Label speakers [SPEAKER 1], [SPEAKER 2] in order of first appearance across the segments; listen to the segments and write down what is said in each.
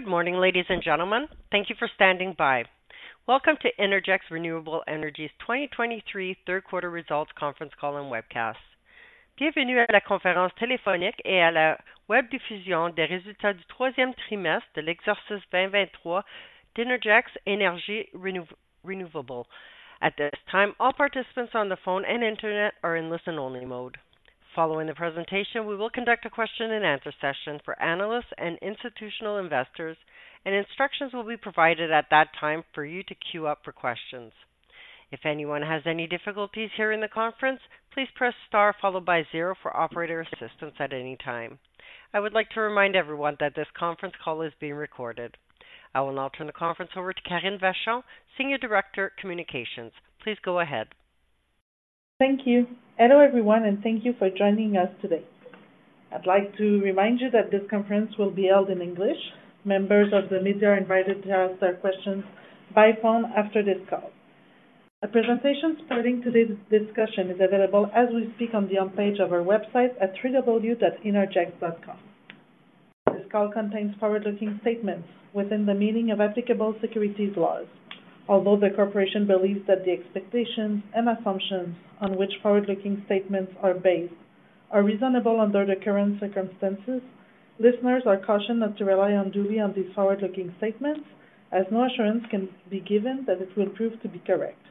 [SPEAKER 1] Good morning, ladies and gentlemen. Thank you for standing by. Welcome to Innergex Renewable Energy's 2023 third quarter results conference call and webcast. Bienvenue à la conférence téléphonique et la webdiffusion des résultats du troisième trimestre de l'exercice 2023 d'Innergex Énergie Renouvelable. At this time, all participants on the phone and Internet are in listen-only mode. Following the presentation, we will conduct a question and answer session for analysts and institutional investors, and instructions will be provided at that time for you to queue up for questions. If anyone has any difficulties hearing the conference, please press Star followed by zero for operator assistance at any time. I would like to remind everyone that this conference call is being recorded. I will now turn the conference over to Karine Vachon, Senior Director, Communications. Please go ahead.
[SPEAKER 2] Thank you. Hello, everyone, and thank you for joining us today. I'd like to remind you that this conference will be held in English. Members of the media are invited to ask their questions by phone after this call. A presentation starting today's discussion is available as we speak on the investor page of our website at www.innergex.com. This call contains forward-looking statements within the meaning of applicable securities laws. Although the Corporation believes that the expectations and assumptions on which forward-looking statements are based are reasonable under the current circumstances, listeners are cautioned not to rely unduly on these forward-looking statements, as no assurance can be given that it will prove to be correct.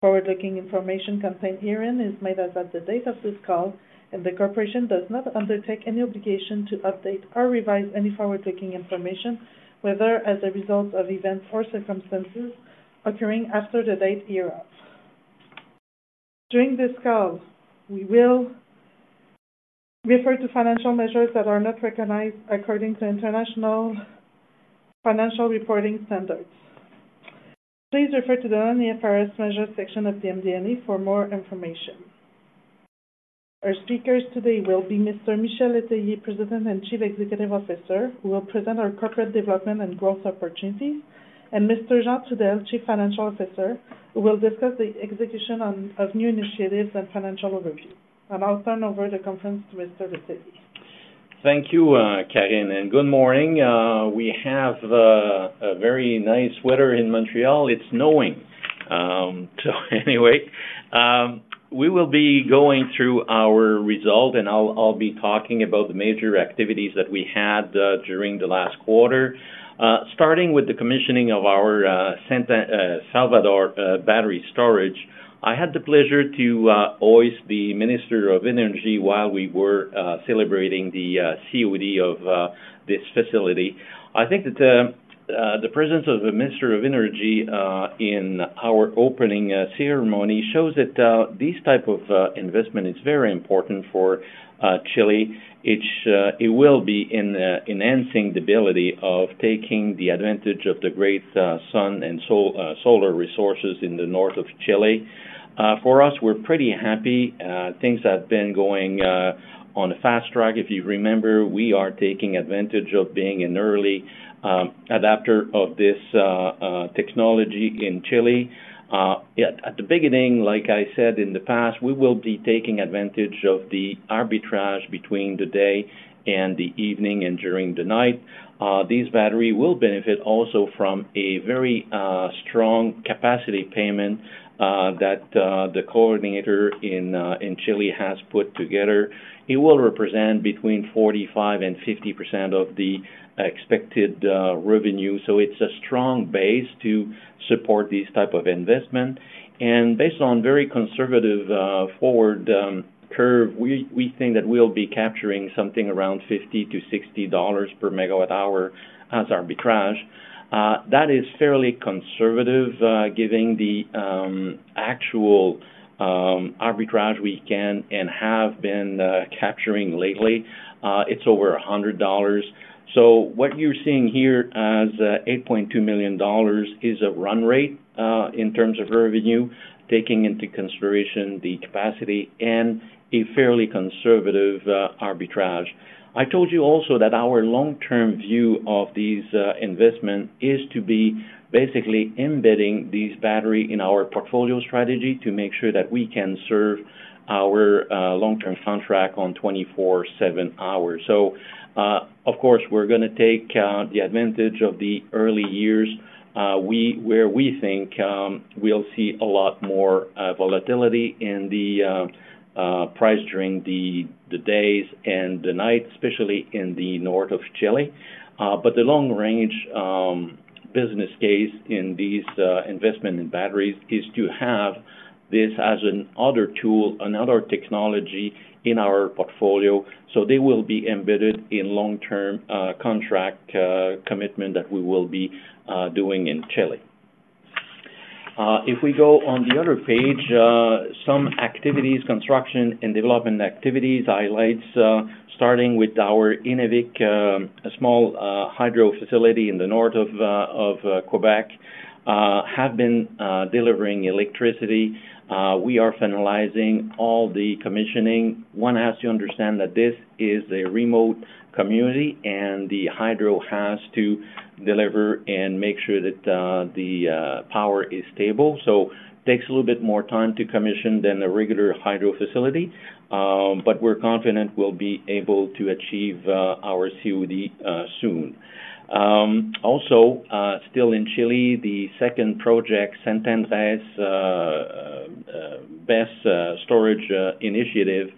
[SPEAKER 2] Forward-looking information contained herein is made as at the date of this call, and the Corporation does not undertake any obligation to update or revise any forward-looking information, whether as a result of events or circumstances occurring after the date hereof. During this call, we will refer to financial measures that are not recognized according to International Financial Reporting Standards. Please refer to the Non-IFRS Measures section of the MD&A for more information. Our speakers today will be Mr. Michel Létellier, President and Chief Executive Officer, who will present our corporate development and growth opportunities, and Mr. Jean Trudel, Chief Financial Officer, who will discuss the execution on, of new initiatives and financial overview. I'll turn over the conference to Mr. Létellier.
[SPEAKER 3] Thank you, Karine, and good morning. We have a very nice weather in Montreal. It's snowing. So anyway, we will be going through our result, and I'll be talking about the major activities that we had during the last quarter. Starting with the commissioning of our Salvador Battery Storage. I had the pleasure to hoist the Minister of Energy while we were celebrating the COD of this facility. I think that the presence of the Minister of Energy in our opening ceremony shows that this type of investment is very important for Chile. It will be enhancing the ability of taking the advantage of the great sun and solar resources in the north of Chile. For us, we're pretty happy. Things have been going on a fast track. If you remember, we are taking advantage of being an early adapter of this technology in Chile. Yet at the beginning, like I said in the past, we will be taking advantage of the arbitrage between the day and the evening and during the night. These battery will benefit also from a very strong capacity payment that the coordinator in Chile has put together. It will represent between 45% and 50% of the expected revenue, so it's a strong base to support these type of investment. Based on very conservative forward curve, we think that we'll be capturing something around $50-$60 per MWh as arbitrage. That is fairly conservative, given the actual arbitrage we can and have been capturing lately. It's over 100 dollars. So what you're seeing here as $8.2 million is a run rate, in terms of revenue, taking into consideration the capacity and a fairly conservative arbitrage. I told you also that our long-term view of these investment is to be basically embedding these battery in our portfolio strategy to make sure that we can serve our long-term contract on 24/7 hours. So, of course, we're gonna take the advantage of the early years, where we think we'll see a lot more volatility in the price during the days and the nights, especially in the north of Chile. But the long-range business case in these investment in batteries is to have this as another tool, another technology in our portfolio, so they will be embedded in long-term contract commitment that we will be doing in Chile. If we go on the other page, some activities, construction and development activities highlights, starting with our Innavik, a small hydro facility in the north of Quebec, have been delivering electricity. We are finalizing all the commissioning. One has to understand that this is a remote community and the hydro has to deliver and make sure that the power is stable. So takes a little bit more time to commission than a regular hydro facility, but we're confident we'll be able to achieve our COD soon. Also, still in Chile, the second project, San Andrés BESS storage initiative,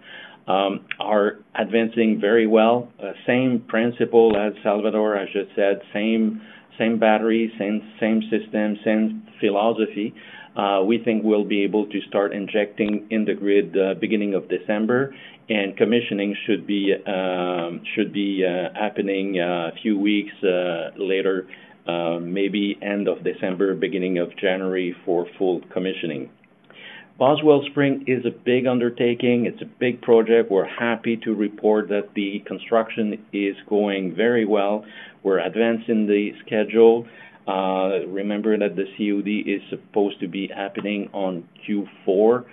[SPEAKER 3] are advancing very well. Same principle as Salvador, I just said, same, same battery, same, same system, same philosophy. We think we'll be able to start injecting in the grid, beginning of December, and commissioning should be, should be, happening, a few weeks later, maybe end of December, beginning of January for full commissioning. Boswell Springs is a big undertaking. It's a big project. We're happy to report that the construction is going very well. We're advancing the schedule. Remember that the COD is supposed to be happening on Q4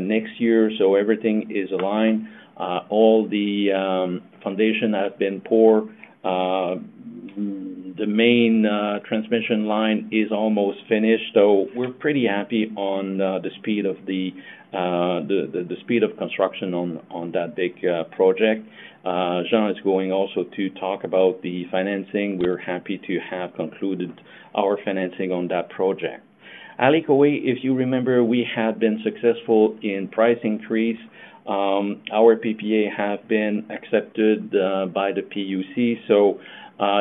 [SPEAKER 3] next year, so everything is aligned. All the foundation has been poured. The main transmission line is almost finished, so we're pretty happy on the speed of construction on that big project. Jean is going also to talk about the financing. We're happy to have concluded our financing on that project. Hale Kuawehi, if you remember, we have been successful in price increase. Our PPA have been accepted by the PUC. So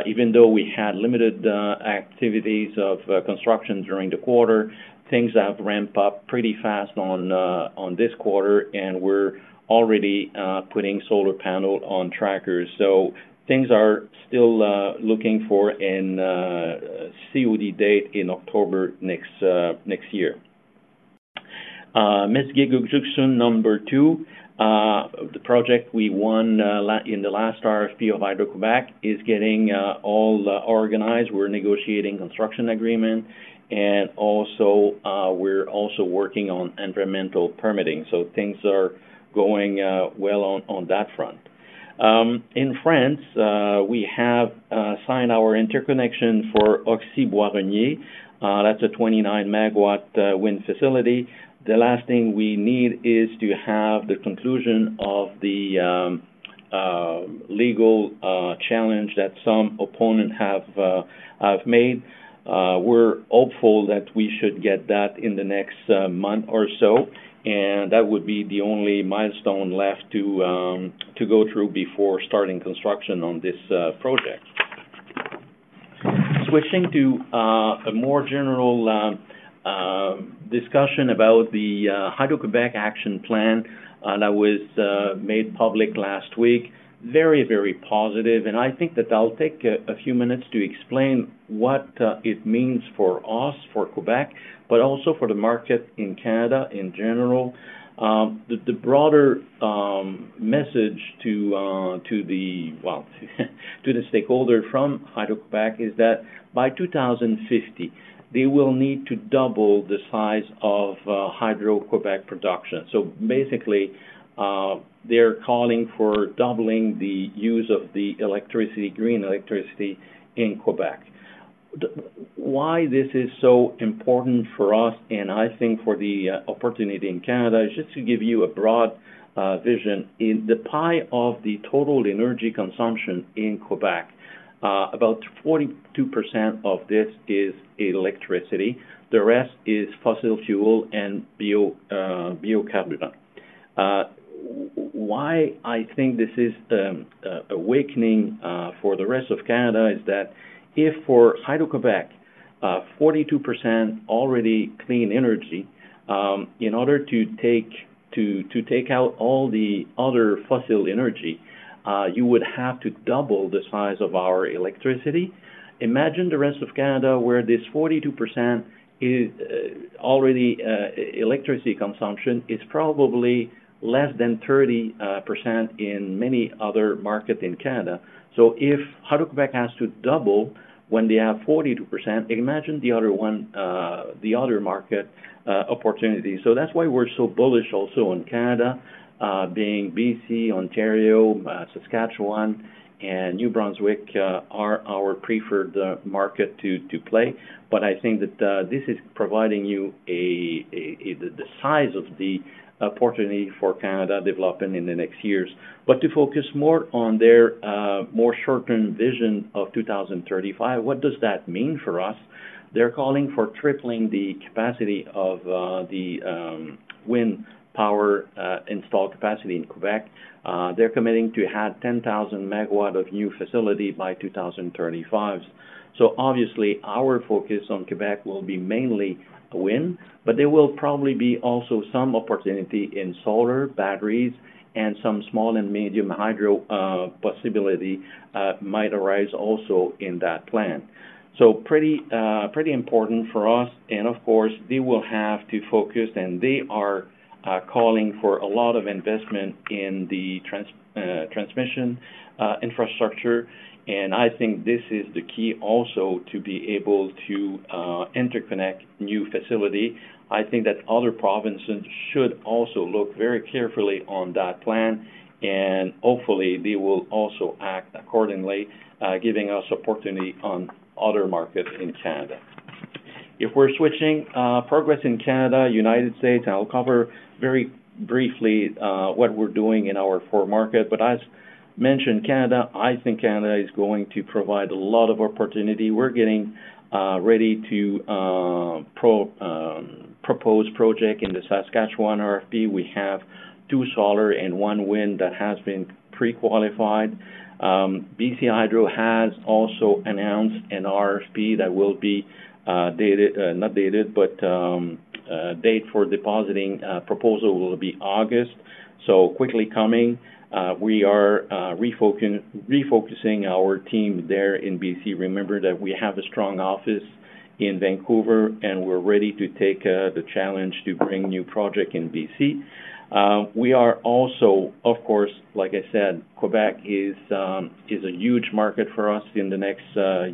[SPEAKER 3] even though we had limited activities of construction during the quarter, things have ramped up pretty fast on this quarter, and we're already putting solar panels on trackers. So things are still looking for an COD date in October next year. Mesgi'g Ugju's'n Number Two, the project we won in the last RFP of Hydro-Québec, is getting all organized. We're negotiating construction agreement, and also, we're also working on environmental permitting, so things are going well on that front. In France, we have signed our interconnection for Auxy Bois Régnier. That's a 29 MW wind facility. The last thing we need is to have the conclusion of the legal challenge that some opponents have made. We're hopeful that we should get that in the next month or so, and that would be the only milestone left to go through before starting construction on this project. Switching to a more general discussion about the Hydro-Québec action plan that was made public last week. Very, very positive, and I think that I'll take a few minutes to explain what it means for us, for Québec, but also for the market in Canada in general. The broader message to the stakeholder from Hydro-Québec is that by 2050, they will need to double the size of Hydro-Québec production. So basically, they're calling for doubling the use of the electricity, green electricity in Québec. Why this is so important for us, and I think for the opportunity in Canada, just to give you a broad vision. In the pie of the total energy consumption in Québec, about 42% of this is electricity, the rest is fossil fuel and bio-carbon. Why I think this is a awakening for the rest of Canada is that if for Hydro-Québec 42% already clean energy, in order to take, to take out all the other fossil energy, you would have to double the size of our electricity. Imagine the rest of Canada, where this 42% is already electricity consumption is probably less than 30% in many other markets in Canada. So if Hydro-Québec has to double when they have 42%, imagine the other one, the other market opportunity. So that's why we're so bullish also on Canada, being BC, Ontario, Saskatchewan and New Brunswick are our preferred market to, to play. But I think that, this is providing you a, the size of the opportunity for Canada developing in the next years. But to focus more on their, more short-term vision of 2035, what does that mean for us? They're calling for tripling the capacity of, the, wind power, installed capacity in Québec. They're committing to have 10,000 MW of new facility by 2035. So obviously, our focus on Québec will be mainly wind, but there will probably be also some opportunity in solar, batteries, and some small and medium hydro, possibility, might arise also in that plan. So pretty, pretty important for us. And of course, they will have to focus, and they are, calling for a lot of investment in the trans, transmission, infrastructure. I think this is the key also to be able to interconnect new facility. I think that other provinces should also look very carefully on that plan, and hopefully, they will also act accordingly, giving us opportunity on other markets in Canada. If we're switching progress in Canada, United States, I'll cover very briefly what we're doing in our four market. But as mentioned, Canada, I think Canada is going to provide a lot of opportunity. We're getting ready to propose project in the Saskatchewan RFP. We have two solar and one wind that has been pre-qualified. BC Hydro has also announced an RFP. Date for depositing proposal will be August, so quickly coming. We are refocusing our team there in BC. Remember that we have a strong office in Vancouver, and we're ready to take the challenge to bring new project in BC. We are also, of course, like I said, Quebec is a huge market for us in the next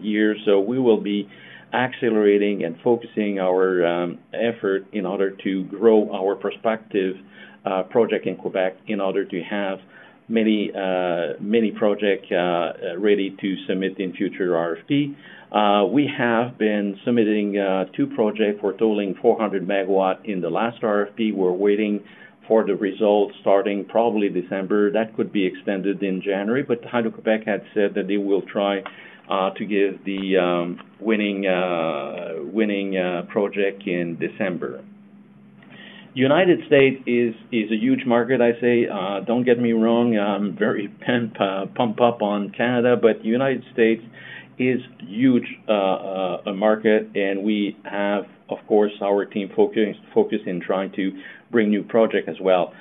[SPEAKER 3] year, so we will be accelerating and focusing our effort in order to grow our prospective project in Quebec, in order to have many project ready to submit in future RFP. We have been submitting two project for totaling 400 MW in the last RFP. We're waiting for the results starting probably December. That could be extended in January, but Hydro-Québec had said that they will try to give the winning project in December. United States is a huge market, I say, don't get me wrong, I'm very pumped up on Canada, but United States is huge market, and we have, of course, our team focused in trying to bring new project as well.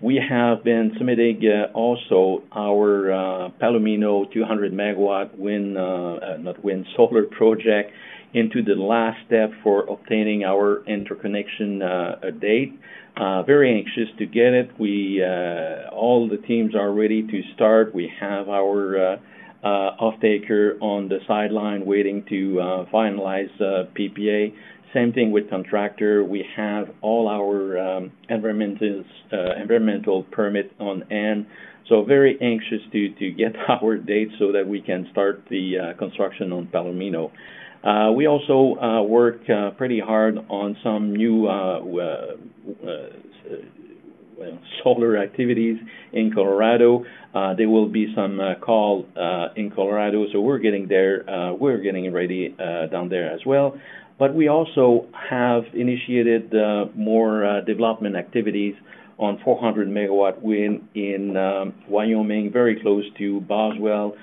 [SPEAKER 3] We have been submitting also our Palomino 200 MW solar project into the last step for obtaining our interconnection date. Very anxious to get it. We all the teams are ready to start. We have our off-taker on the sideline waiting to finalize PPA. Same thing with contractor. We have all our environmental permits in hand, so very anxious to get our date so that we can start the construction on Palomino. We also work pretty hard on some new solar activities in Colorado. There will be some call in Colorado, so we're getting there, we're getting ready down there as well. But we also have initiated more development activities on 400 MW wind in Wyoming, very close to Boswell.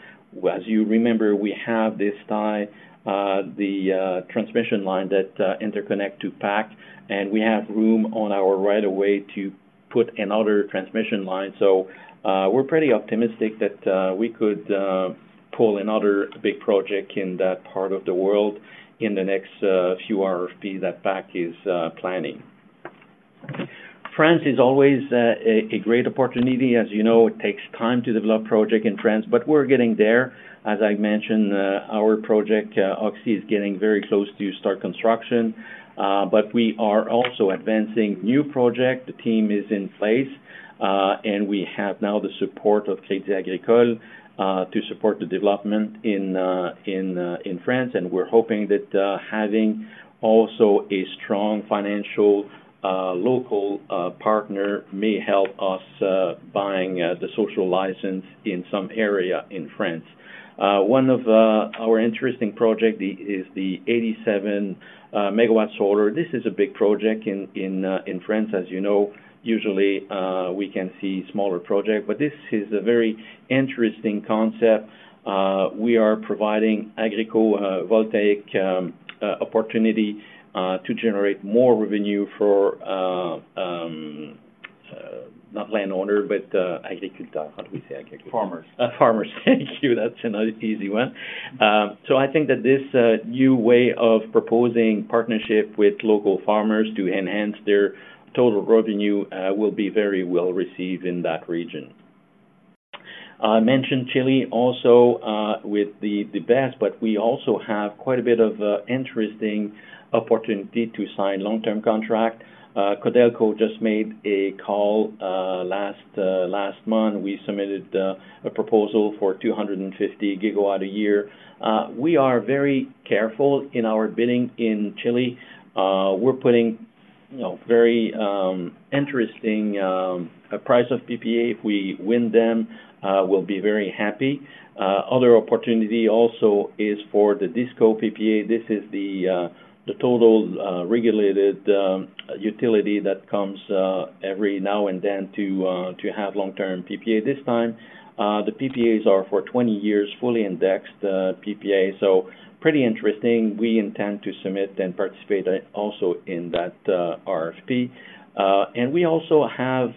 [SPEAKER 3] As you remember, we have this time the transmission line that interconnect to PAC, and we have room on our right of way to put another transmission line. So, we're pretty optimistic that we could pull another big project in that part of the world in the next few RFPs that PAC is planning. France is always a great opportunity. As you know, it takes time to develop project in France, but we're getting there. As I mentioned, our project, Oxi, is getting very close to start construction, but we are also advancing new project. The team is in place, and we have now the support of Crédit Agricole to support the development in France, and we're hoping that having also a strong financial local partner may help us buying the social license in some area in France. One of our interesting project is the 87 MW solar. This is a big project in France. As you know, usually we can see smaller project, but this is a very interesting concept. We are providing agrivoltaic opportunity to generate more revenue for not landowner, but agricul- how do we say agricul-
[SPEAKER 4] Farmers.
[SPEAKER 3] Farmers. Thank you. That's another easy one. So I think that this new way of proposing partnership with local farmers to enhance their total revenue will be very well received in that region. I mentioned Chile also with the best, but we also have quite a bit of interesting opportunity to sign long-term contract. Codelco just made a call last month. We submitted a proposal for 250 GW a year. We are very careful in our bidding in Chile. We're putting, you know, very interesting price of PPA. If we win them, we'll be very happy. Other opportunity also is for the Disco PPA. This is the total regulated utility that comes every now and then to have long-term PPA. This time, the PPAs are for 20 years, fully indexed, PPA, so pretty interesting. We intend to submit and participate also in that RFP. And we also have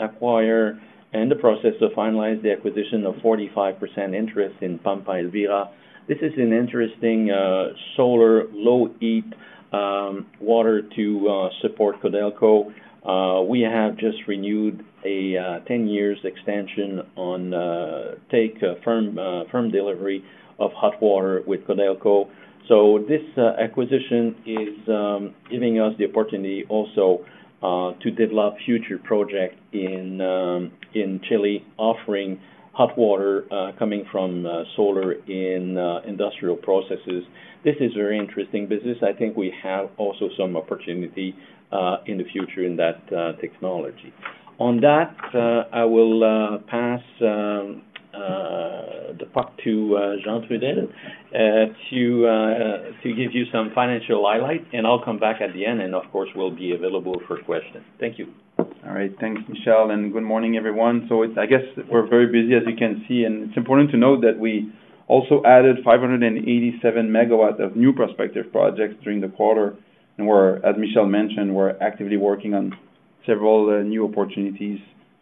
[SPEAKER 3] acquire in the process to finalize the acquisition of 45% interest in Pampa Elvira. This is an interesting solar low heat water to support Codelco. We have just renewed a 10-year extension on take a firm firm delivery of hot water with Codelco. So this acquisition is giving us the opportunity also to develop future projects in in Chile, offering hot water coming from solar in industrial processes. This is very interesting business. I think we have also some opportunity in the future in that technology. On that, I will pass... the park to Jean Trudel to give you some financial highlight, and I'll come back at the end, and of course, we'll be available for questions. Thank you.
[SPEAKER 5] All right. Thanks, Michel, and good morning, everyone. So it's, I guess, we're very busy, as you can see, and it's important to note that we also added 587 MW of new prospective projects during the quarter. We're, as Michel mentioned, we're actively working on several new opportunities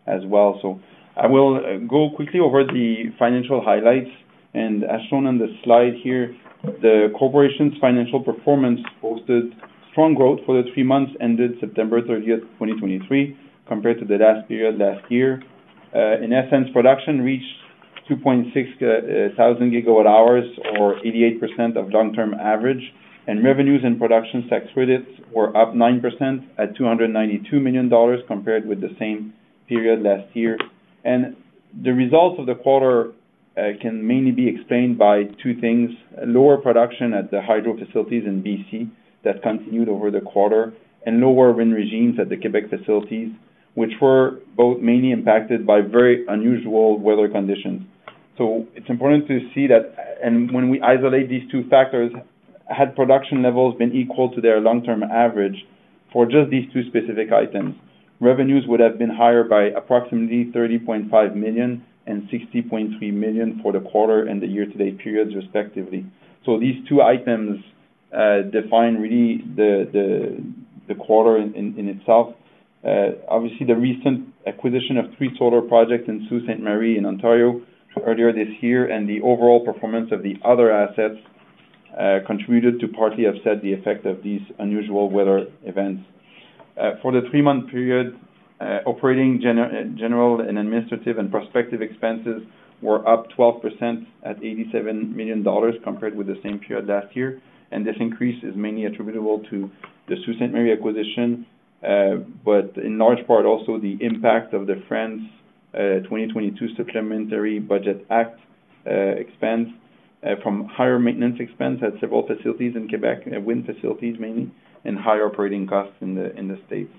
[SPEAKER 5] as well. So I will go quickly over the financial highlights, and as shown on the slide here, the corporation's financial performance posted strong growth for the three months ended September 30th, 2023, compared to the last period last year. In essence, production reached 2.6 thousand GWh, or 88% of long-term average, and revenues and production tax credits were up 9% at 292 million dollars compared with the same period last year. The results of the quarter can mainly be explained by two things: lower production at the hydro facilities in BC that continued over the quarter, and lower wind regimes at the Quebec facilities, which were both mainly impacted by very unusual weather conditions. It's important to see that, and when we isolate these two factors, had production levels been equal to their long-term average for just these two specific items, revenues would have been higher by approximately 30.5 million and 60.3 million for the quarter and the year-to-date periods, respectively. These two items define really the quarter in itself. Obviously, the recent acquisition of three solar projects in Sault Ste. Marie in Ontario earlier this year, and the overall performance of the other assets contributed to partly offset the effect of these unusual weather events. For the three-month period, operating general and administrative and prospective expenses were up 12% at 87 million dollars compared with the same period last year. And this increase is mainly attributable to the Sault Ste. Marie acquisition, but in large part, also the impact of the France 2022 Supplementary Budget Act expense, from higher maintenance expense at several facilities in Quebec, wind facilities mainly, and higher operating costs in the States.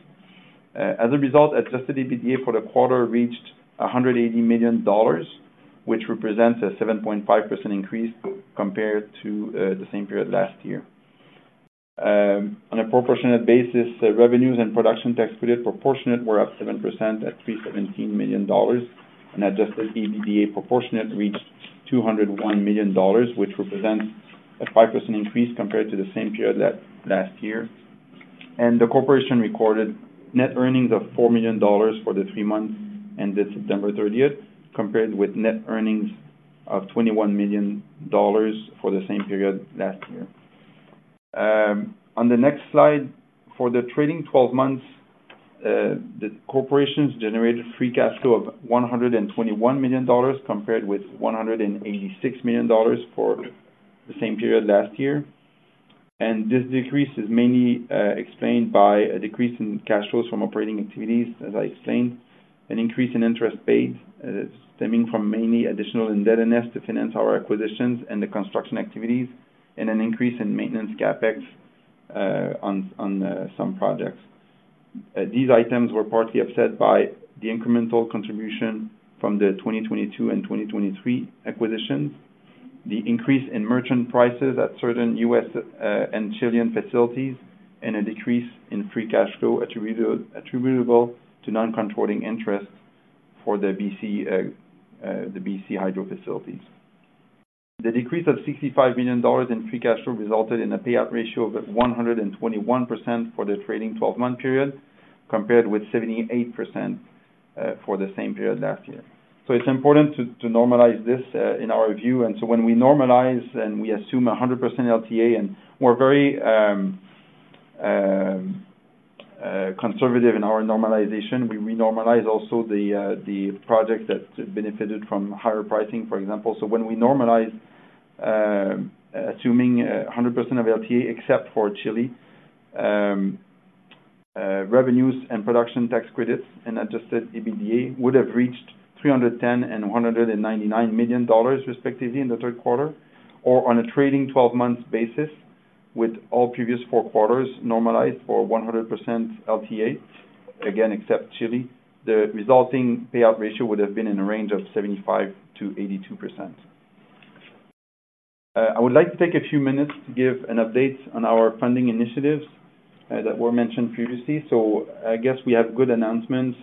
[SPEAKER 5] As a result, adjusted EBITDA for the quarter reached 180 million dollars, which represents a 7.5% increase compared to the same period last year. On a proportionate basis, revenues and production tax credit proportionate were up 7% at 317 million dollars, and Adjusted EBITDA proportionate reached 201 million dollars, which represents a 5% increase compared to the same period last year. The corporation recorded net earnings of 4 million dollars for the three months ended September thirtieth, compared with net earnings of 21 million dollars for the same period last year. On the next slide, for the trailing twelve months, the corporation generated free cash flow of 121 million dollars, compared with 186 million dollars for the same period last year. This decrease is mainly explained by a decrease in cash flows from operating activities, as I explained, an increase in interest paid, stemming from mainly additional indebtedness to finance our acquisitions and the construction activities, and an increase in maintenance CapEx on some projects. These items were partly offset by the incremental contribution from the 2022 and 2023 acquisitions, the increase in merchant prices at certain U.S. and Chilean facilities, and a decrease in free cash flow attributable to non-controlling interest for the BC Hydro facilities. The decrease of 65 million dollars in free cash flow resulted in a payout ratio of 121% for the trailing 12-month period, compared with 78%, for the same period last year. So it's important to normalize this, in our view. So when we normalize and we assume 100% LTA, and we're very conservative in our normalization, we normalize also the projects that benefited from higher pricing, for example. So when we normalize, assuming a hundred percent of LTA, except for Chile, revenues and production tax credits and adjusted EBITDA would have reached 310 million and 199 million dollars, respectively, in the third quarter, or on a trailing 12-month basis, with all previous four quarters normalized for 100% LTA, again, except Chile, the resulting payout ratio would have been in the range of 75%-82%. I would like to take a few minutes to give an update on our funding initiatives, that were mentioned previously. So I guess we have good announcements.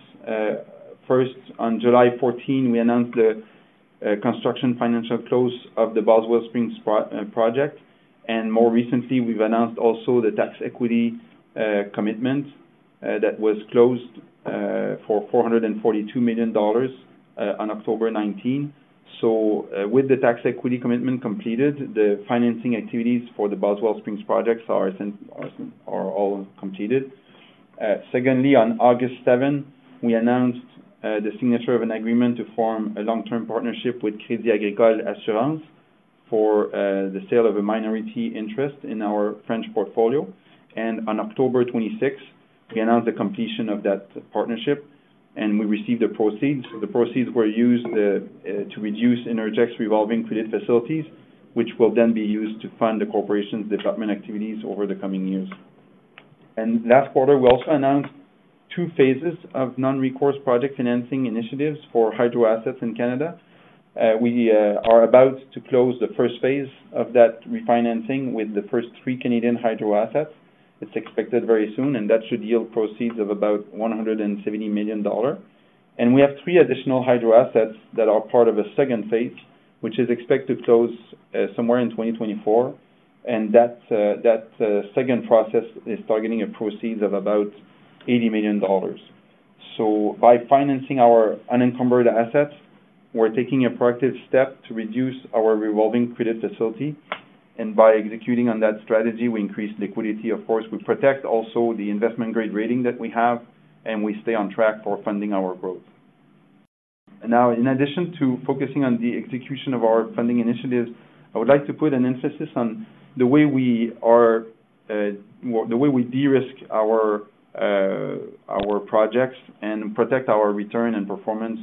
[SPEAKER 5] First, on July 14th, we announced the construction financial close of the Boswell Springs project, and more recently, we've announced also the tax equity commitment that was closed for $442 million on October 19th. So, with the tax equity commitment completed, the financing activities for the Boswell Springs projects are all completed. Secondly, on August 7th, we announced the signature of an agreement to form a long-term partnership with Crédit Agricole Assurances for the sale of a minority interest in our French portfolio. On October 26th, we announced the completion of that partnership, and we received the proceeds. The proceeds were used to reduce Innergex revolving credit facilities, which will then be used to fund the corporation's development activities over the coming years. Last quarter, we also announced two phases of non-recourse project financing initiatives for hydro assets in Canada. We are about to close the first phase of that refinancing with the first three Canadian hydro assets. It's expected very soon, and that should yield proceeds of about 170 million dollar. We have three additional hydro assets that are part of a second phase, which is expected to close somewhere in 2024, and that second process is targeting proceeds of about 80 million dollars. So by financing our unencumbered assets, we're taking a proactive step to reduce our revolving credit facility, and by executing on that strategy, we increase liquidity. Of course, we protect also the investment-grade rating that we have, and we stay on track for funding our growth. Now, in addition to focusing on the execution of our funding initiatives, I would like to put an emphasis on the way we are, well, the way we de-risk our projects and protect our return and performance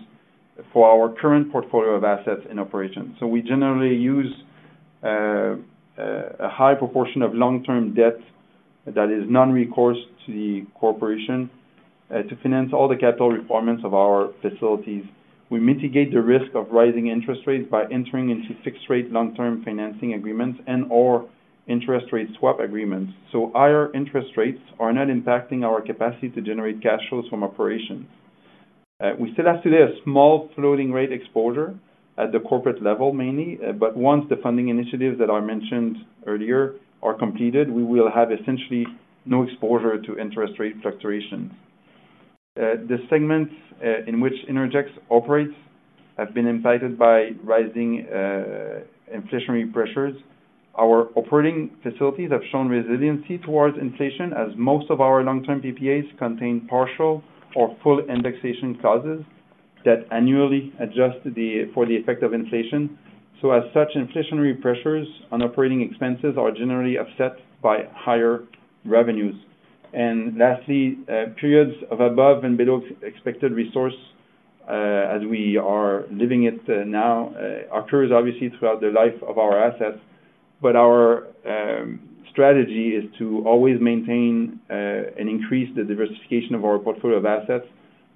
[SPEAKER 5] for our current portfolio of assets in operation. So we generally use a high proportion of long-term debt that is non-recourse to the corporation to finance all the capital requirements of our facilities. We mitigate the risk of rising interest rates by entering into fixed-rate long-term financing agreements and/or interest rate swap agreements, so higher interest rates are not impacting our capacity to generate cash flows from operations. We still have today a small floating rate exposure at the corporate level mainly, but once the funding initiatives that I mentioned earlier are completed, we will have essentially no exposure to interest rate fluctuations. The segments in which Innergex operates have been impacted by rising inflationary pressures. Our operating facilities have shown resiliency toward inflation, as most of our long-term PPAs contain partial or full indexation clauses that annually adjust for the effect of inflation. As such, inflationary pressures on operating expenses are generally offset by higher revenues. Lastly, periods of above and below expected resource, as we are living it now, occur obviously throughout the life of our assets. But our strategy is to always maintain and increase the diversification of our portfolio of assets,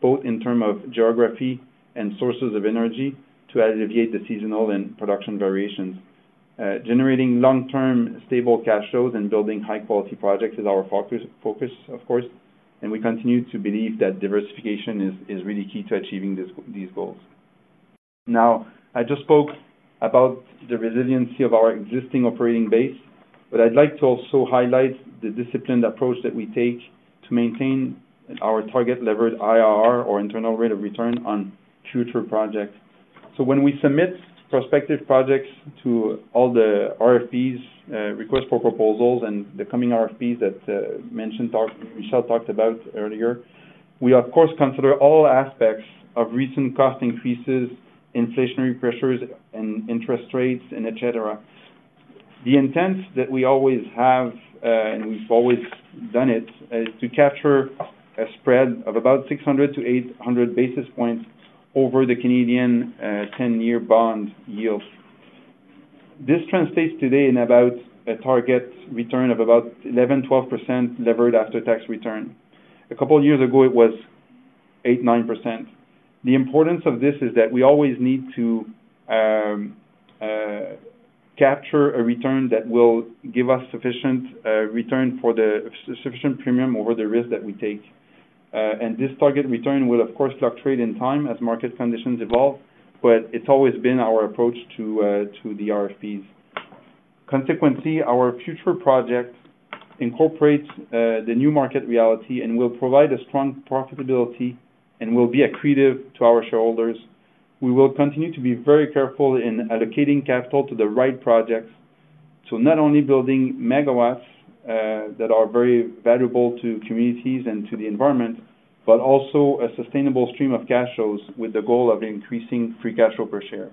[SPEAKER 5] both in term of geography and sources of energy, to alleviate the seasonal and production variations. Generating long-term stable cash flows and building high-quality projects is our focus, of course, and we continue to believe that diversification is really key to achieving these goals. Now, I just spoke about the resiliency of our existing operating base, but I'd like to also highlight the disciplined approach that we take to maintain our target levered IRR, or internal rate of return, on future projects. So when we submit prospective projects to all the RFPs, request for proposals, and the coming RFPs that Michel talked about earlier, we of course consider all aspects of recent cost increases, inflationary pressures, and interest rates, and et cetera. The intent that we always have, and we've always done it, is to capture a spread of about 600-800 basis points over the Canadian 10-year bond yields. This translates today in about a target return of about 11%-12% levered after-tax return. A couple of years ago, it was 8%-9%. The importance of this is that we always need to capture a return that will give us sufficient return for the sufficient premium over the risk that we take. And this target return will, of course, fluctuate in time as market conditions evolve, but it's always been our approach to the RFPs. Consequently, our future projects incorporate the new market reality and will provide a strong profitability and will be accretive to our shareholders. We will continue to be very careful in allocating capital to the right projects. So not only building megawatts that are very valuable to communities and to the environment, but also a sustainable stream of cash flows with the goal of increasing free cash flow per share.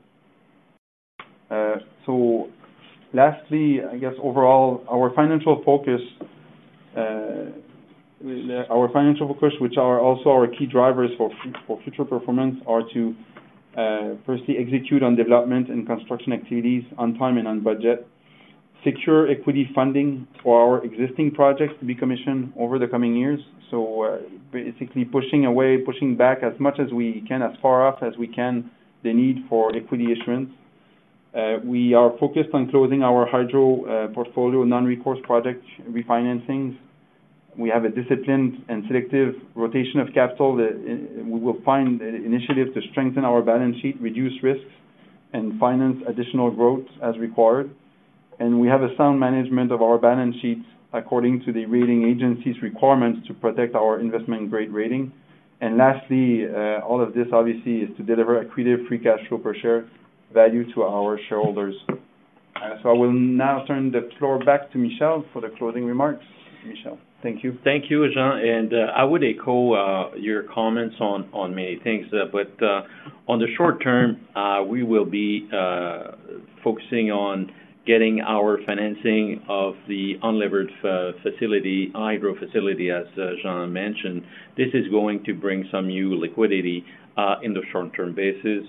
[SPEAKER 5] I guess overall, our financial focus, our financial focus, which are also our key drivers for future performance, are to, firstly, execute on development and construction activities on time and on budget, secure equity funding for our existing projects to be commissioned over the coming years. So basically, pushing away, pushing back as much as we can, as far off as we can, the need for equity issuance. We are focused on closing our hydro portfolio, non-recourse project refinancings. We have a disciplined and selective rotation of capital that we will find initiatives to strengthen our balance sheet, reduce risks, and finance additional growth as required. We have a sound management of our balance sheets according to the rating agency's requirements to protect our investment-grade rating. Lastly, all of this obviously is to deliver accretive free cash flow per share value to our shareholders. So I will now turn the floor back to Michel for the closing remarks. Michel, thank you.
[SPEAKER 3] Thank you, Jean. I would echo your comments on many things, but on the short term, we will be focusing on getting our financing of the unlevered facility, hydro facility, as Jean mentioned. This is going to bring some new liquidity in the short-term basis.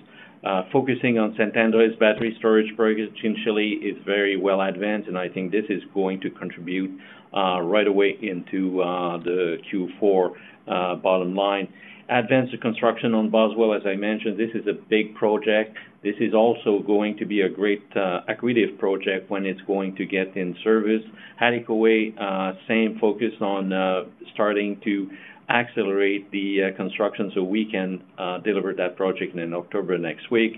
[SPEAKER 3] Focusing on Salvador's battery storage project in Chile is very well advanced, and I think this is going to contribute right away into the Q4 bottom line. Advanced construction on Boswell, as I mentioned, this is a big project. This is also going to be a great accretive project when it's going to get in service. Hale'iwa, same focus on starting to accelerate the construction so we can deliver that project in October next year.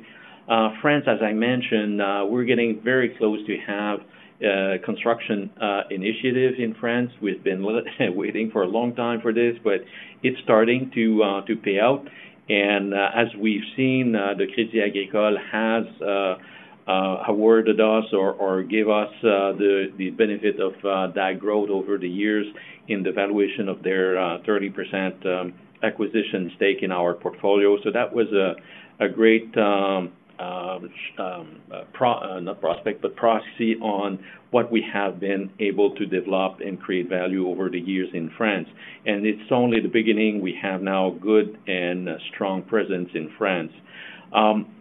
[SPEAKER 3] France, as I mentioned, we're getting very close to have construction initiative in France. We've been waiting for a long time for this, but it's starting to pay out. And as we've seen, the Crédit Agricole has awarded us or give us the benefit of that growth over the years in the valuation of their 30% acquisition stake in our portfolio. So that was a great pro- not prospect, but proxy on what we have been able to develop and create value over the years in France. And it's only the beginning. We have now a good and strong presence in France.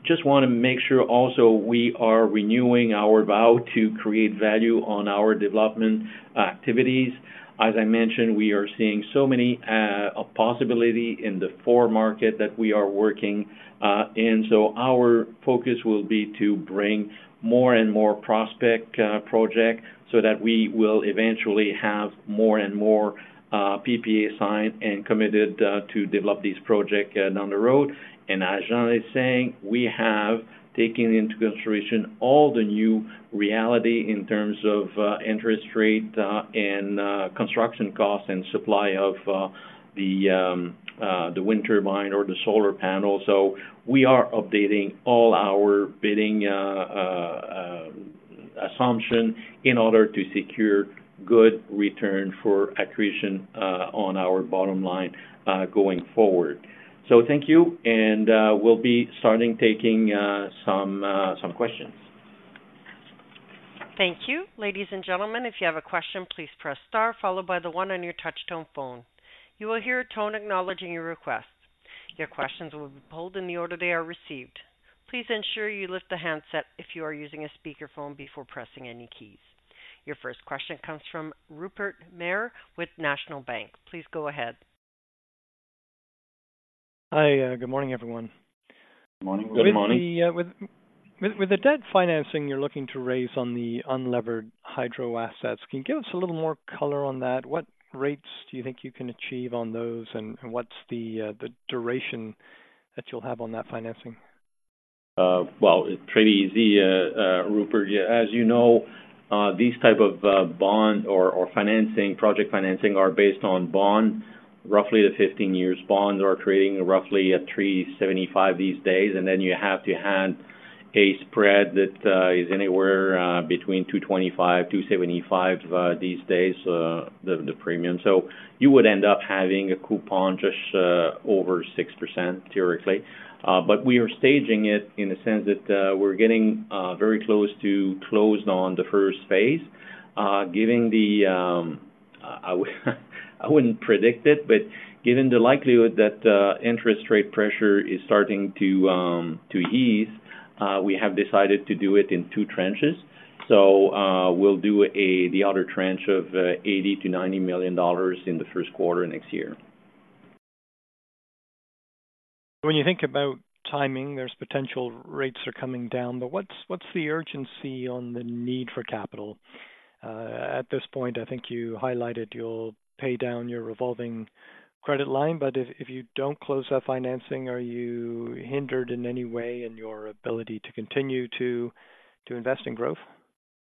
[SPEAKER 3] Just want to make sure also we are renewing our vow to create value on our development activities. As I mentioned, we are seeing so many possibilities in the four markets that we are working in. So our focus will be to bring more and more prospective projects so that we will eventually have more and more PPA signed and committed to develop these projects down the road. And as Jean is saying, we have taken into consideration all the new reality in terms of interest rate and construction costs and supply of the wind turbine or the solar panel. So we are updating all our bidding assumptions in order to secure good return for accretion on our bottom line going forward. So thank you, and we'll be starting taking some questions.
[SPEAKER 1] Thank you. Ladies and gentlemen, if you have a question, please press star followed by the one on your touch tone phone. You will hear a tone acknowledging your request. Your questions will be pulled in the order they are received. Please ensure you lift the handset if you are using a speaker phone before pressing any keys. Your first question comes from Rupert Merer with National Bank. Please go ahead.
[SPEAKER 6] Hi, good morning, everyone.
[SPEAKER 3] Good morning.
[SPEAKER 1] Good morning.
[SPEAKER 6] With the debt financing you're looking to raise on the unlevered hydro assets, can you give us a little more color on that? What rates do you think you can achieve on those, and what's the duration that you'll have on that financing?
[SPEAKER 3] Well, it's pretty easy, Rupert. As you know, these type of bond or financing, project financing, are based on bond. Roughly the 15-year bonds are trading roughly at 3.75 these days, and then you have to add a spread that is anywhere between 2.25-2.75 these days, the premium. So you would end up having a coupon just over 6%, theoretically. But we are staging it in the sense that we're getting very close to closed on the first phase. Given the likelihood that interest rate pressure is starting to ease, we have decided to do it in two tranches. We'll do the other tranche of $80 million-$90 million in the first quarter next year.
[SPEAKER 6] When you think about timing, there's potential rates are coming down, but what's the urgency on the need for capital? At this point, I think you highlighted you'll pay down your revolving credit line, but if you don't close that financing, are you hindered in any way in your ability to continue to invest in growth?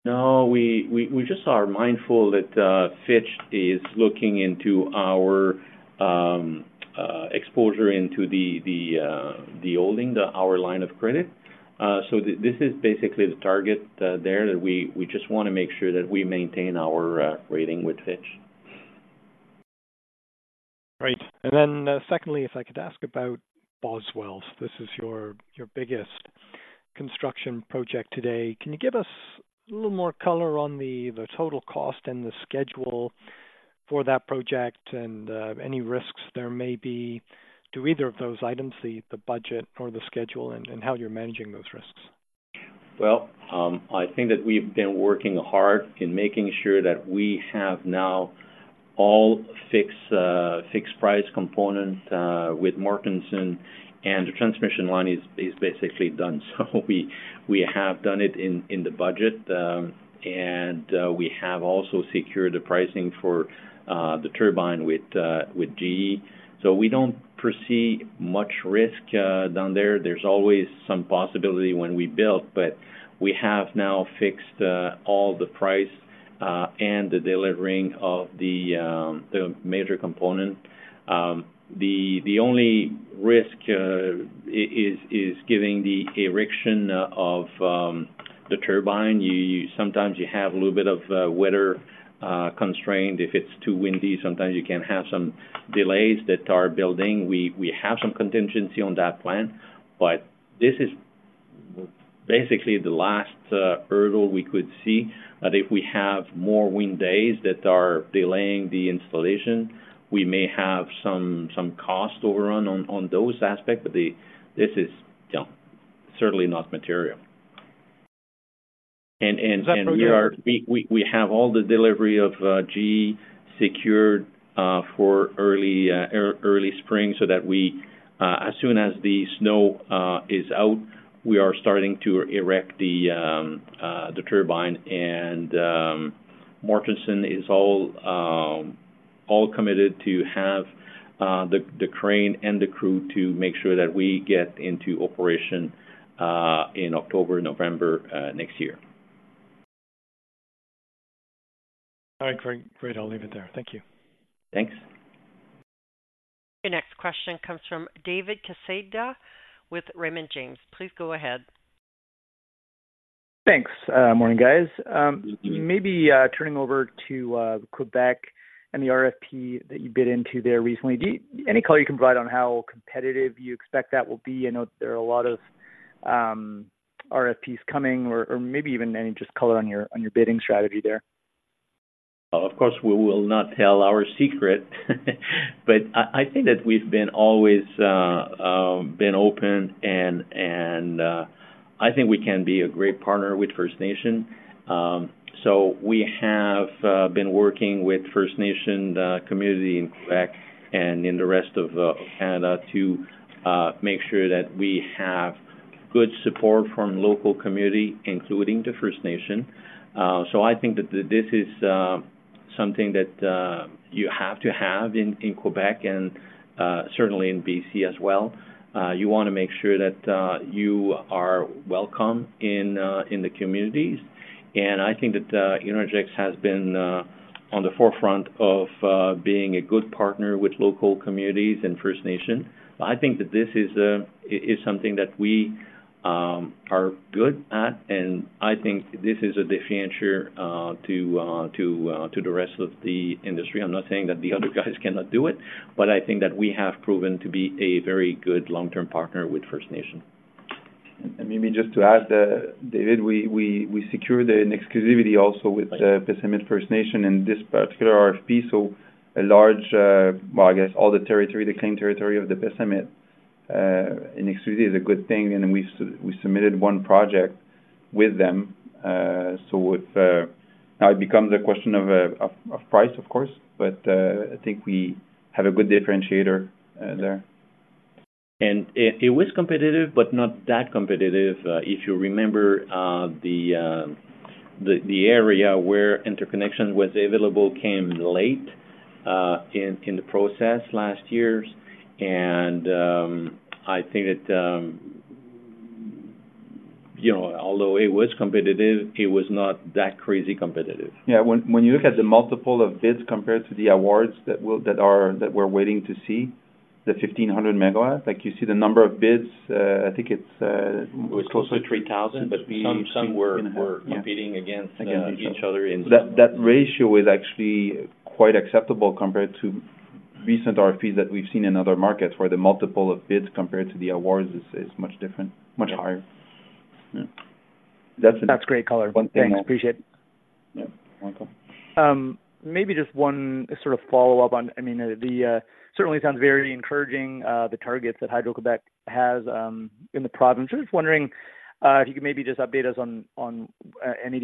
[SPEAKER 3] No, we just are mindful that Fitch is looking into our exposure into the holding, our line of credit. So this is basically the target that we just want to make sure that we maintain our rating with Fitch.
[SPEAKER 6] Great. Then secondly, if I could ask about Boswell. This is your, your biggest construction project today. Can you give us a little more color on the, the total cost and the schedule for that project, and any risks there may be to either of those items, the, the budget or the schedule, and how you're managing those risks?
[SPEAKER 3] Well, I think that we've been working hard in making sure that we have now all fixed price components with Mortenson, and the transmission line is basically done. So we have done it in the budget, and we have also secured the pricing for the turbine with GE. So we don't foresee much risk down there. There's always some possibility when we build, but we have now fixed all the price and the delivering of the major component. The only risk is giving the erection of the turbine. Sometimes you have a little bit of weather constraint. If it's too windy, sometimes you can have some delays that are building. We have some contingency on that plan, but this is-... Basically, the last hurdle we could see, that if we have more wind days that are delaying the installation, we may have some cost overrun on those aspects, but, this is, yeah, certainly not material. And we have all the delivery of GE secured for early spring so that we, as soon as the snow is out, we are starting to erect the turbine. And Mortenson is all committed to have the crane and the crew to make sure that we get into operation in October, November next year.
[SPEAKER 5] All right, great. Great, I'll leave it there. Thank you.
[SPEAKER 3] Thanks.
[SPEAKER 1] Your next question comes from David Quezada with Raymond James. Please go ahead.
[SPEAKER 7] Thanks. Morning, guys. Maybe turning over to Quebec and the RFP that you bid into there recently. Do you any color you can provide on how competitive you expect that will be? I know there are a lot of RFPs coming, or maybe even any just color on your bidding strategy there.
[SPEAKER 3] Of course, we will not tell our secret, but I think that we've been always been open and I think we can be a great partner with First Nation. So we have been working with First Nation, the community in Quebec and in the rest of Canada to make sure that we have good support from local community, including the First Nation. So I think that this is something that you have to have in Quebec and certainly in BC as well. You want to make sure that you are welcome in the communities. And I think that Innergex has been on the forefront of being a good partner with local communities and First Nation. I think that this is something that we are good at, and I think this is a differentiator to the rest of the industry. I'm not saying that the other guys cannot do it, but I think that we have proven to be a very good long-term partner with First Nation.
[SPEAKER 5] And maybe just to add, David, we secured an exclusivity also with the Pessamit First Nation in this particular RFP, so a large, well, I guess, all the territory, the claimed territory of the Pessamit, in exclusivity is a good thing, and we submitted one project with them. So it's now it becomes a question of price, of course, but I think we have a good differentiator there.
[SPEAKER 3] It was competitive, but not that competitive. If you remember, the area where interconnection was available came late in the process last years. I think that, you know, although it was competitive, it was not that crazy competitive.
[SPEAKER 5] Yeah, when you look at the multiple of bids compared to the awards that we're waiting to see, the 1,500 MW, like, you see the number of bids, I think it's,
[SPEAKER 3] It was close to 3,000, but some were competing against each other in-
[SPEAKER 5] That ratio is actually quite acceptable compared to recent RFPs that we've seen in other markets, where the multiple of bids compared to the awards is much different, much higher. Yeah.
[SPEAKER 7] That's great color.
[SPEAKER 5] One thing-
[SPEAKER 7] Thanks, appreciate it.
[SPEAKER 5] Yeah, welcome.
[SPEAKER 7] Maybe just one sort of follow-up on. I mean, certainly sounds very encouraging, the targets that Hydro-Québec has in the province. Just wondering if you could maybe just update us on any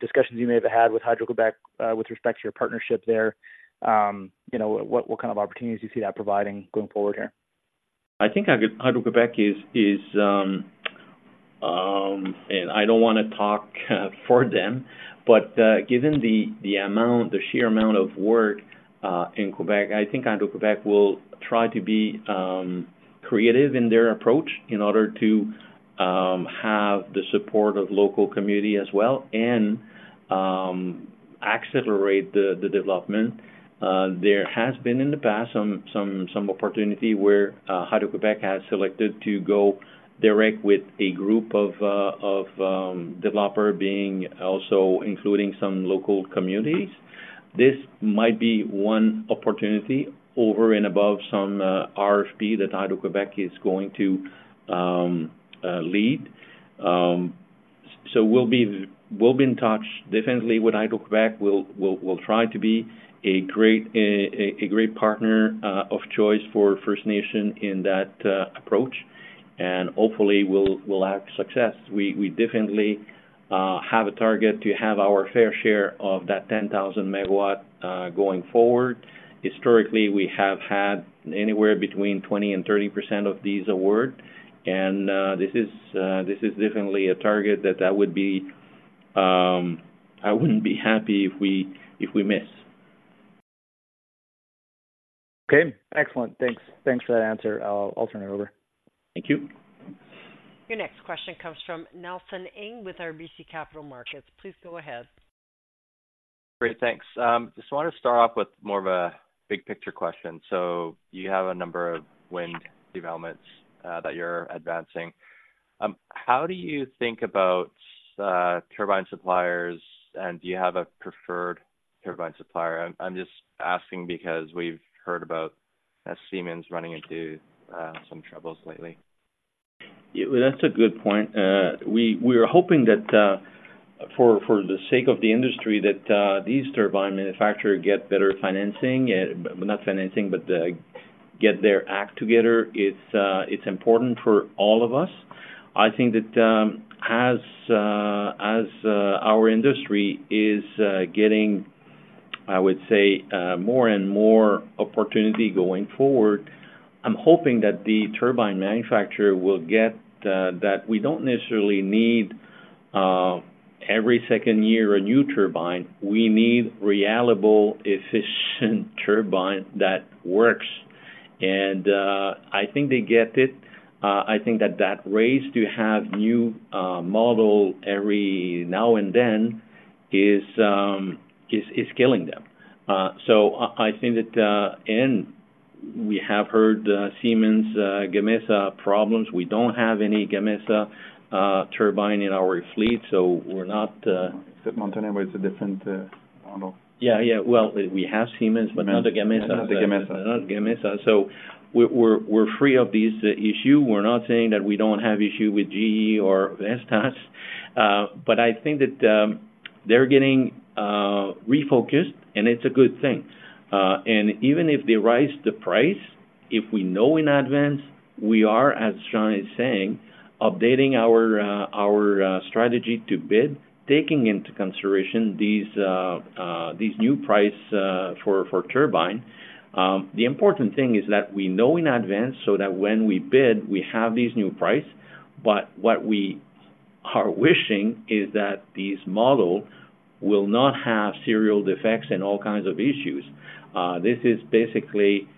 [SPEAKER 7] discussions you may have had with Hydro-Québec with respect to your partnership there. You know, what kind of opportunities you see that providing going forward here?
[SPEAKER 3] I think Hydro-Québec is, and I don't want to talk for them, but given the amount, the sheer amount of work in Québec, I think Hydro-Québec will try to be creative in their approach in order to have the support of local community as well, and accelerate the development. There has been in the past some opportunity where Hydro-Québec has selected to go direct with a group of developer being also including some local communities. This might be one opportunity over and above some RFP that Hydro-Québec is going to lead. So we'll be in touch definitely with Hydro-Québec. We'll try to be a great partner of choice for First Nation in that approach, and hopefully we'll have success. We definitely have a target to have our fair share of that 10,000 megawatt going forward. Historically, we have had anywhere between 20%-30% of these awards, and this is definitely a target that would be... I wouldn't be happy if we miss.
[SPEAKER 7] Okay, excellent. Thanks. Thanks for that answer. I'll turn it over.
[SPEAKER 3] Thank you.
[SPEAKER 1] Your next question comes from Nelson Ng with RBC Capital Markets. Please go ahead.
[SPEAKER 8] Great, thanks. Just want to start off with more of a big picture question. So you have a number of wind developments that you're advancing. How do you think about turbine suppliers, and do you have a preferred turbine supplier? I'm just asking because we've heard about Siemens running into some troubles lately?
[SPEAKER 3] Yeah, well, that's a good point. We are hoping that for the sake of the industry, that these turbine manufacturer get better financing, but not financing, but get their act together. It's important for all of us. I think that as our industry is getting, I would say, more and more opportunity going forward, I'm hoping that the turbine manufacturer will get the, that we don't necessarily need every second year, a new turbine. We need reliable, efficient turbine that works. And I think they get it. I think that that race to have new model every now and then is killing them. So I think that and we have heard Siemens Gamesa problems. We don't have any Gamesa turbine in our fleet, so we're not-
[SPEAKER 5] Except Montana, but it's a different model.
[SPEAKER 3] Yeah, yeah. Well, we have Siemens, but not the Gamesa.
[SPEAKER 5] Not the Gamesa.
[SPEAKER 3] Not Gamesa. So we're free of this issue. We're not saying that we don't have issue with GE or Vestas, but I think that they're getting refocused, and it's a good thing. And even if they raise the price, if we know in advance, we are, as John is saying, updating our strategy to bid, taking into consideration these new price for turbine. The important thing is that we know in advance so that when we bid, we have these new price. But what we are wishing is that these model will not have serial defects and all kinds of issues. This is basically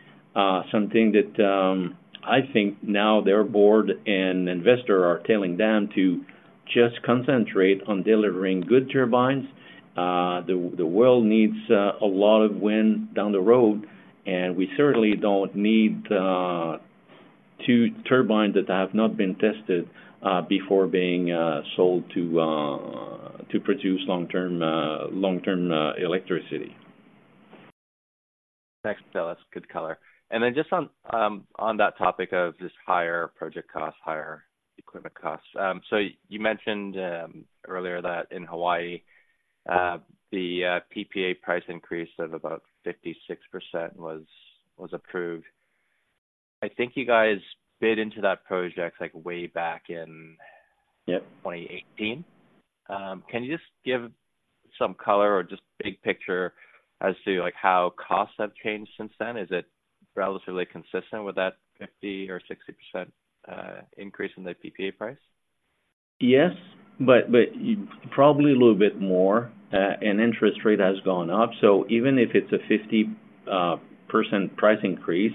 [SPEAKER 3] something that I think now their board and investor are telling them to just concentrate on delivering good turbines. The world needs a lot of wind down the road, and we certainly don't need two turbines that have not been tested before being sold to produce long-term electricity.
[SPEAKER 8] Thanks, fellas. Good color. And then just on that topic of just higher project costs, higher equipment costs. So you mentioned earlier that in Hawaii, the PPA price increase of about 56% was approved. I think you guys bid into that project, like, way back in-
[SPEAKER 3] Yep...
[SPEAKER 8] 2018. Can you just give some color or just big picture as to, like, how costs have changed since then? Is it relatively consistent with that 50% or 60% increase in the PPA price?
[SPEAKER 3] Yes, but probably a little bit more, and interest rate has gone up. So even if it's a 50% price increase,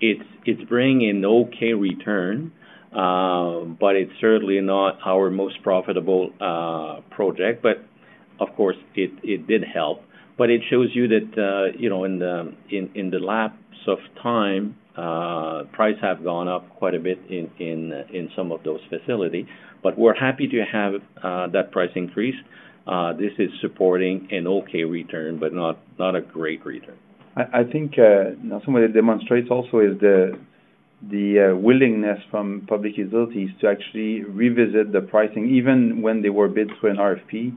[SPEAKER 3] it's bringing in okay return, but it's certainly not our most profitable project. But of course, it did help. But it shows you that, you know, in the lapse of time, price have gone up quite a bit in some of those facility. But we're happy to have that price increase. This is supporting an okay return, but not a great return.
[SPEAKER 5] I think somewhere it demonstrates also is the willingness from public utilities to actually revisit the pricing, even when they were bid through an RFP,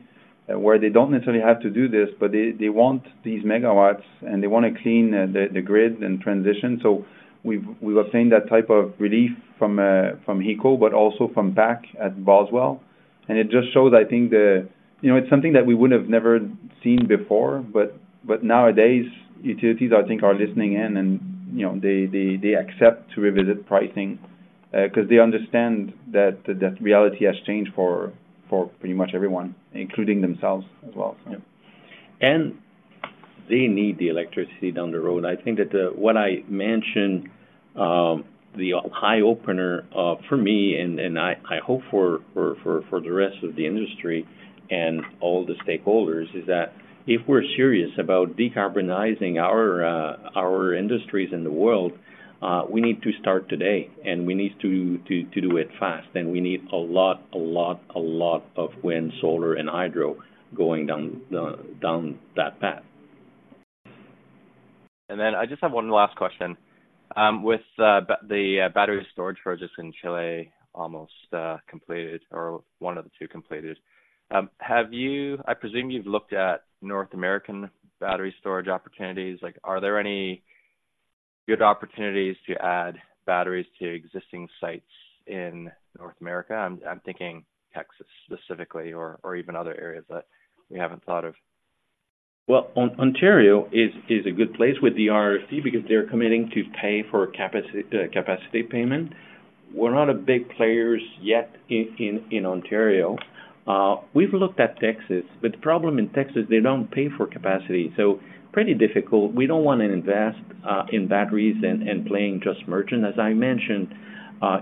[SPEAKER 5] where they don't necessarily have to do this, but they want these megawatts, and they want to clean the grid and transition. So we've obtained that type of relief from HECO, but also from PAC at Boswell. And it just shows, I think. You know, it's something that we would have never seen before, but nowadays, utilities, I think, are listening in and, you know, they accept to revisit pricing, 'cause they understand that the reality has changed for pretty much everyone, including themselves as well.
[SPEAKER 3] Yeah. And they need the electricity down the road. I think that what I mentioned, the eye-opener for me, and I hope for the rest of the industry and all the stakeholders, is that if we're serious about decarbonizing our industries in the world, we need to start today, and we need to do it fast. And we need a lot of wind, solar, and hydro going down that path.
[SPEAKER 8] Then I just have one last question. With the battery storage projects in Chile almost completed, or one of the two completed, have you, I presume you've looked at North American battery storage opportunities. Like, are there any good opportunities to add batteries to existing sites in North America? I'm thinking Texas specifically, or even other areas that we haven't thought of.
[SPEAKER 3] Well, Ontario is a good place with the RFP because they're committing to pay for capacity payment. We're not a big players yet in Ontario. We've looked at Texas, but the problem in Texas, they don't pay for capacity, so pretty difficult. We don't want to invest in batteries and playing just merchant. As I mentioned,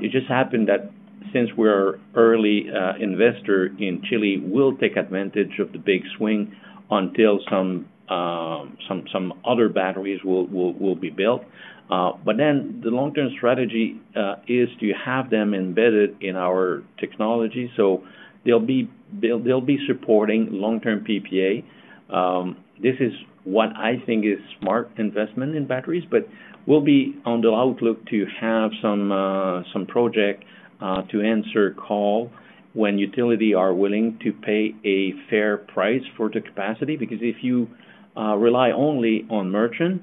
[SPEAKER 3] it just happened that since we're early investor in Chile, we'll take advantage of the big swing until some other batteries will be built. But then the long-term strategy is to have them embedded in our technology, so they'll be supporting long-term PPA. This is what I think is smart investment in batteries, but we'll be on the lookout to have some some project to answer call when utility are willing to pay a fair price for the capacity. Because if you rely only on merchant,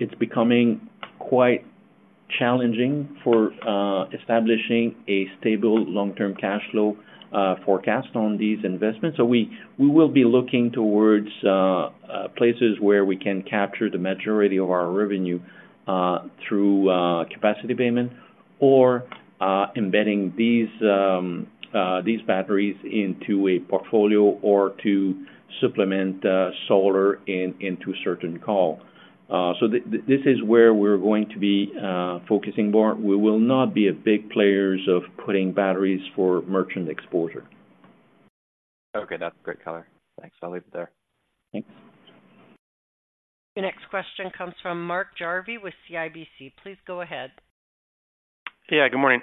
[SPEAKER 3] it's becoming quite challenging for establishing a stable long-term cash flow forecast on these investments. So we will be looking towards places where we can capture the majority of our revenue through capacity payment or embedding these these batteries into a portfolio or to supplement solar in into certain call. So this is where we're going to be focusing more. We will not be a big players of putting batteries for merchant exposure.
[SPEAKER 8] Okay, that's a great color. Thanks. I'll leave it there.
[SPEAKER 3] Thanks.
[SPEAKER 1] Your next question comes from Mark Jarvi with CIBC. Please go ahead.
[SPEAKER 9] Yeah, good morning.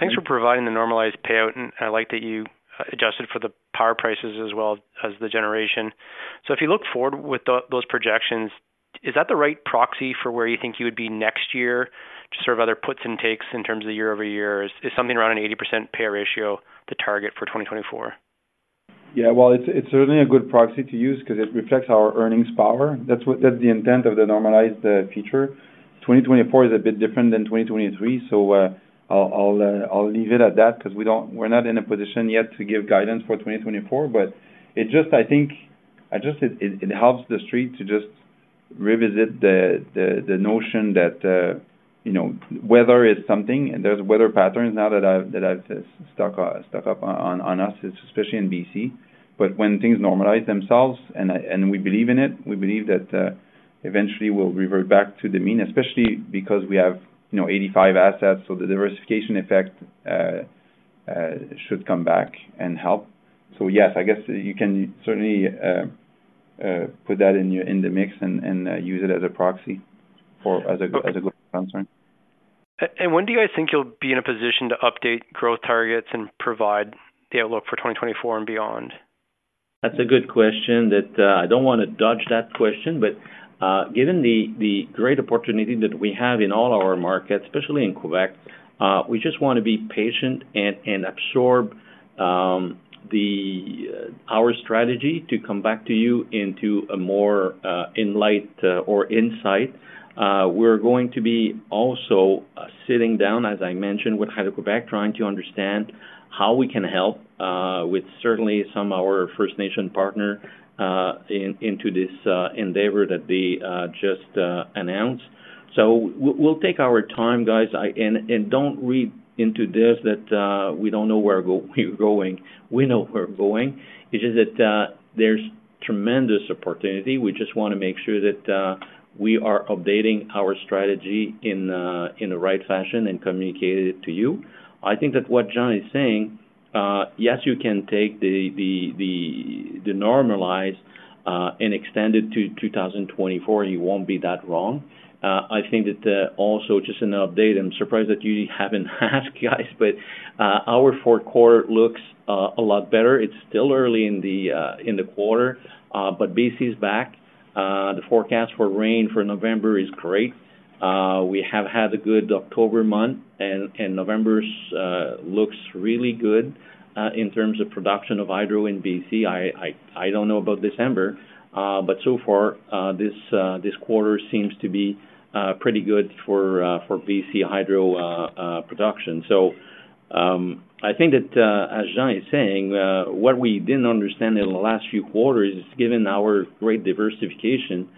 [SPEAKER 9] Thanks for providing the normalized payout, and I like that you adjusted for the power prices as well as the generation. So if you look forward with those projections, is that the right proxy for where you think you would be next year to sort of other puts and takes in terms of the year-over-year? Is something around an 80% payout ratio the target for 2024?
[SPEAKER 5] Yeah, well, it's certainly a good proxy to use because it reflects our earnings power. That's what- that's the intent of the normalized feature. 2024 is a bit different than 2023, so, I'll leave it at that because we don't-- we're not in a position yet to give guidance for 2024. But I think it helps the street to just revisit the notion that, you know, weather is something, and there's weather patterns now that have stuck up on us, especially in BC. But when things normalize themselves, and we believe in it, we believe that eventually we'll revert back to the mean, especially because we have, you know, 85 assets, so the diversification effect should come back and help. So yes, I guess you can certainly put that in the mix and use it as a proxy for a good concern.
[SPEAKER 9] When do you guys think you'll be in a position to update growth targets and provide the outlook for 2024 and beyond?
[SPEAKER 3] That's a good question that I don't want to dodge that question, but given the great opportunity that we have in all our markets, especially in Québec, we just want to be patient and absorb our strategy to come back to you into a more enlightening or insightful. We're going to be also sitting down, as I mentioned, with Hydro-Québec, trying to understand how we can help with certainly some of our First Nation partner into this endeavor that they just announced. So we'll take our time, guys. And don't read into this that we don't know where we're going. We know where we're going. It's just that there's tremendous opportunity. We just want to make sure that, we are updating our strategy in, in the right fashion and communicate it to you. I think that what John is saying, yes, you can take the, the, the, the normalize, and extend it to 2024. You won't be that wrong. I think that, also, just an update, I'm surprised that you haven't asked, guys, but, our fourth quarter looks, a lot better. It's still early in the, in the quarter, but BC is back. The forecast for rain for November is great. We have had a good October month, and, and November, looks really good, in terms of production of hydro in BC. I don't know about December, but so far, this quarter seems to be pretty good for BC Hydro production. So, I think that, as John is saying, what we didn't understand in the last few quarters is, given our great diversification,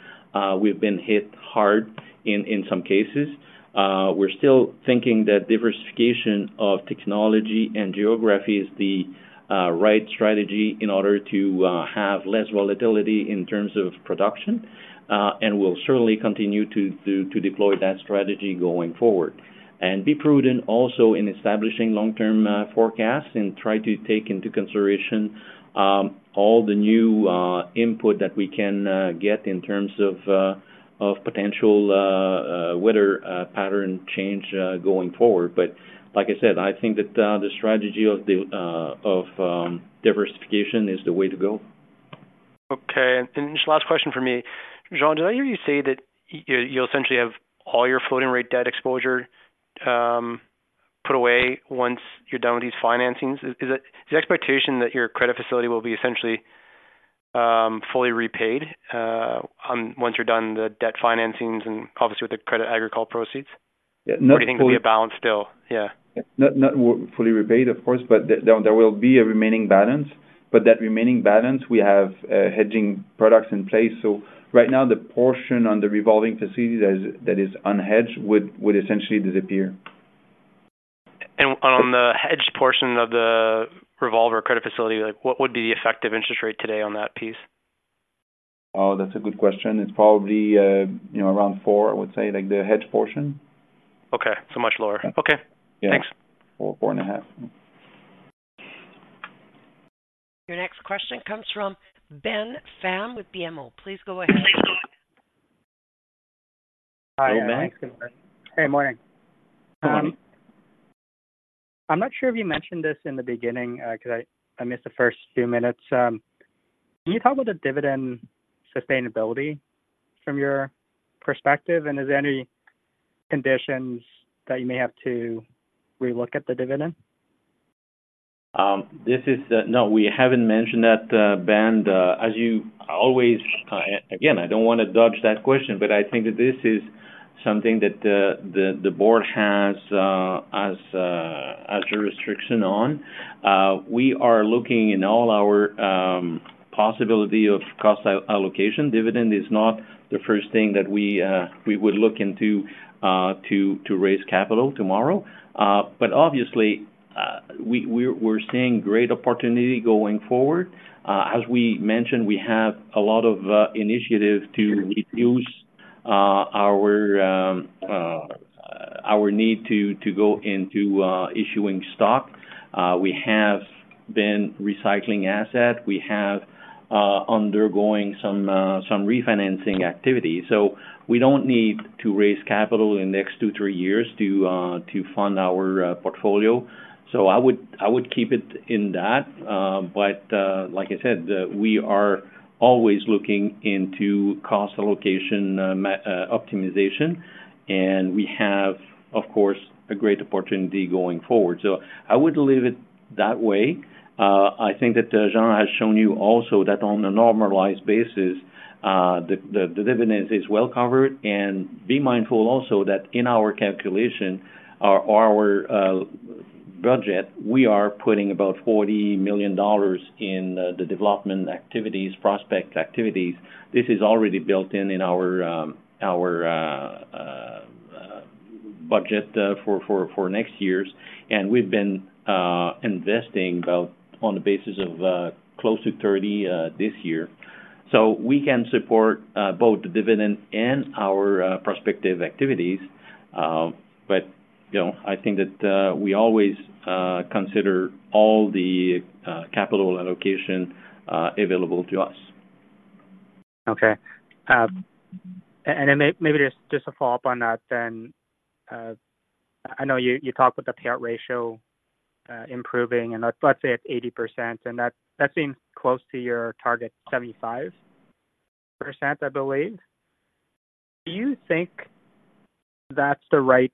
[SPEAKER 3] we've been hit hard in some cases. We're still thinking that diversification of technology and geography is the right strategy in order to have less volatility in terms of production. And we'll certainly continue to deploy that strategy going forward. And be prudent also in establishing long-term forecasts and try to take into consideration all the new input that we can get in terms of potential weather pattern change going forward. But like I said, I think that the strategy of diversification is the way to go.
[SPEAKER 9] Okay, and just last question for me. Jean, did I hear you say that you'll essentially have all your floating rate debt exposure put away once you're done with these financings? Is the expectation that your credit facility will be essentially fully repaid once you're done the debt financings and obviously with the Crédit Agricole proceeds?
[SPEAKER 5] Yeah.
[SPEAKER 9] Or do you think there'll be a balance still? Yeah.
[SPEAKER 5] Not fully repaid, of course, but there will be a remaining balance. But that remaining balance, we have hedging products in place. So right now, the portion on the revolving facility that is unhedged would essentially disappear.
[SPEAKER 9] On the hedged portion of the revolver credit facility, like, what would be the effective interest rate today on that piece?
[SPEAKER 5] Oh, that's a good question. It's probably, you know, around four, I would say, like the hedged portion.
[SPEAKER 9] Okay. So much lower. Okay.
[SPEAKER 5] Yeah.
[SPEAKER 9] Thanks.
[SPEAKER 5] 4, 4.5.
[SPEAKER 1] Your next question comes from Ben Pham with BMO. Please go ahead.
[SPEAKER 3] Hi, Ben.
[SPEAKER 10] Hey, good morning. I'm not sure if you mentioned this in the beginning, because I missed the first few minutes. Can you talk about the dividend sustainability from your perspective? And is there any conditions that you may have to relook at the dividend?
[SPEAKER 3] This is, no, we haven't mentioned that Ban. As you always, again, I don't want to dodge that question, but I think that this is something that the board has as a restriction on. We are looking in all our possibility of cost allocation. Dividend is not the first thing that we would look into to raise capital tomorrow. But obviously, we're seeing great opportunity going forward. As we mentioned, we have a lot of initiatives to reduce our need to go into issuing stock. We have been recycling asset. We have undergoing some refinancing activity. So we don't need to raise capital in the next two years to three years to fund our portfolio. So I would keep it in that. But, like I said, we are always looking into cost allocation, optimization, and we have, of course, a great opportunity going forward. So I would leave it that way. I think that Jean has shown you also that on a normalized basis, the dividend is well covered. And be mindful also that in our calculation, our budget, we are putting about 40 million dollars in the development activities, prospect activities. This is already built in our budget for next years, and we've been investing about on the basis of close to 30 million this year. So we can support both the dividend and our prospective activities. But you know, I think that we always consider all the capital allocation available to us.
[SPEAKER 10] Okay. And then maybe just a follow-up on that then. I know you talked with the payout ratio improving, and let's say it's 80%, and that seems close to your target, 75%, I believe. Do you think that's the right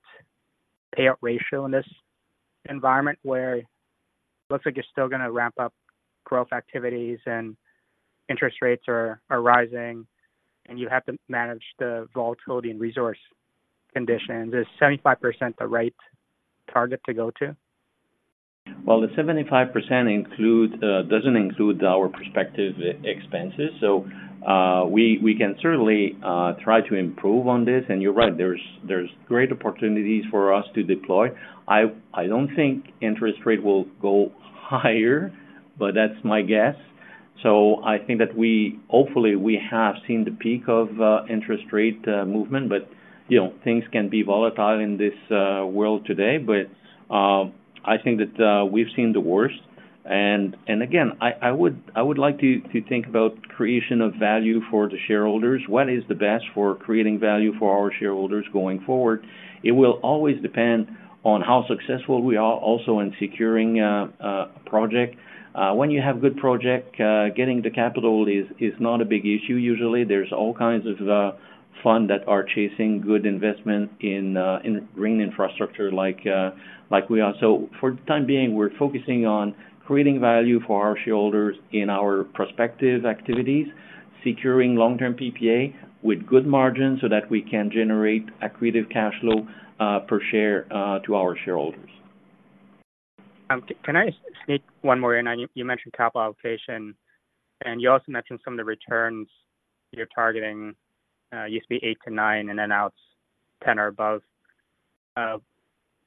[SPEAKER 10] payout ratio in this environment, where it looks like you're still gonna ramp up growth activities and interest rates are rising, and you have to manage the volatility and resource conditions? Is 75% the right target to go to?
[SPEAKER 3] Well, the 75% include, doesn't include our prospective expenses, so we can certainly try to improve on this. And you're right, there's great opportunities for us to deploy. I don't think interest rate will go higher, but that's my guess. So I think that we hopefully have seen the peak of interest rate movement, but you know, things can be volatile in this world today. But I think that we've seen the worst. And again, I would like to think about creation of value for the shareholders. What is the best for creating value for our shareholders going forward? It will always depend on how successful we are also in securing a project. When you have good project, getting the capital is not a big issue usually. There's all kinds of fund that are chasing good investment in green infrastructure like we are. So for the time being, we're focusing on creating value for our shareholders in our prospective activities, securing long-term PPA with good margins so that we can generate accretive cash flow per share to our shareholders.
[SPEAKER 10] Can I just sneak one more in? You, you mentioned capital allocation, and you also mentioned some of the returns you're targeting, used to be 8-9, and then now it's 10 or above.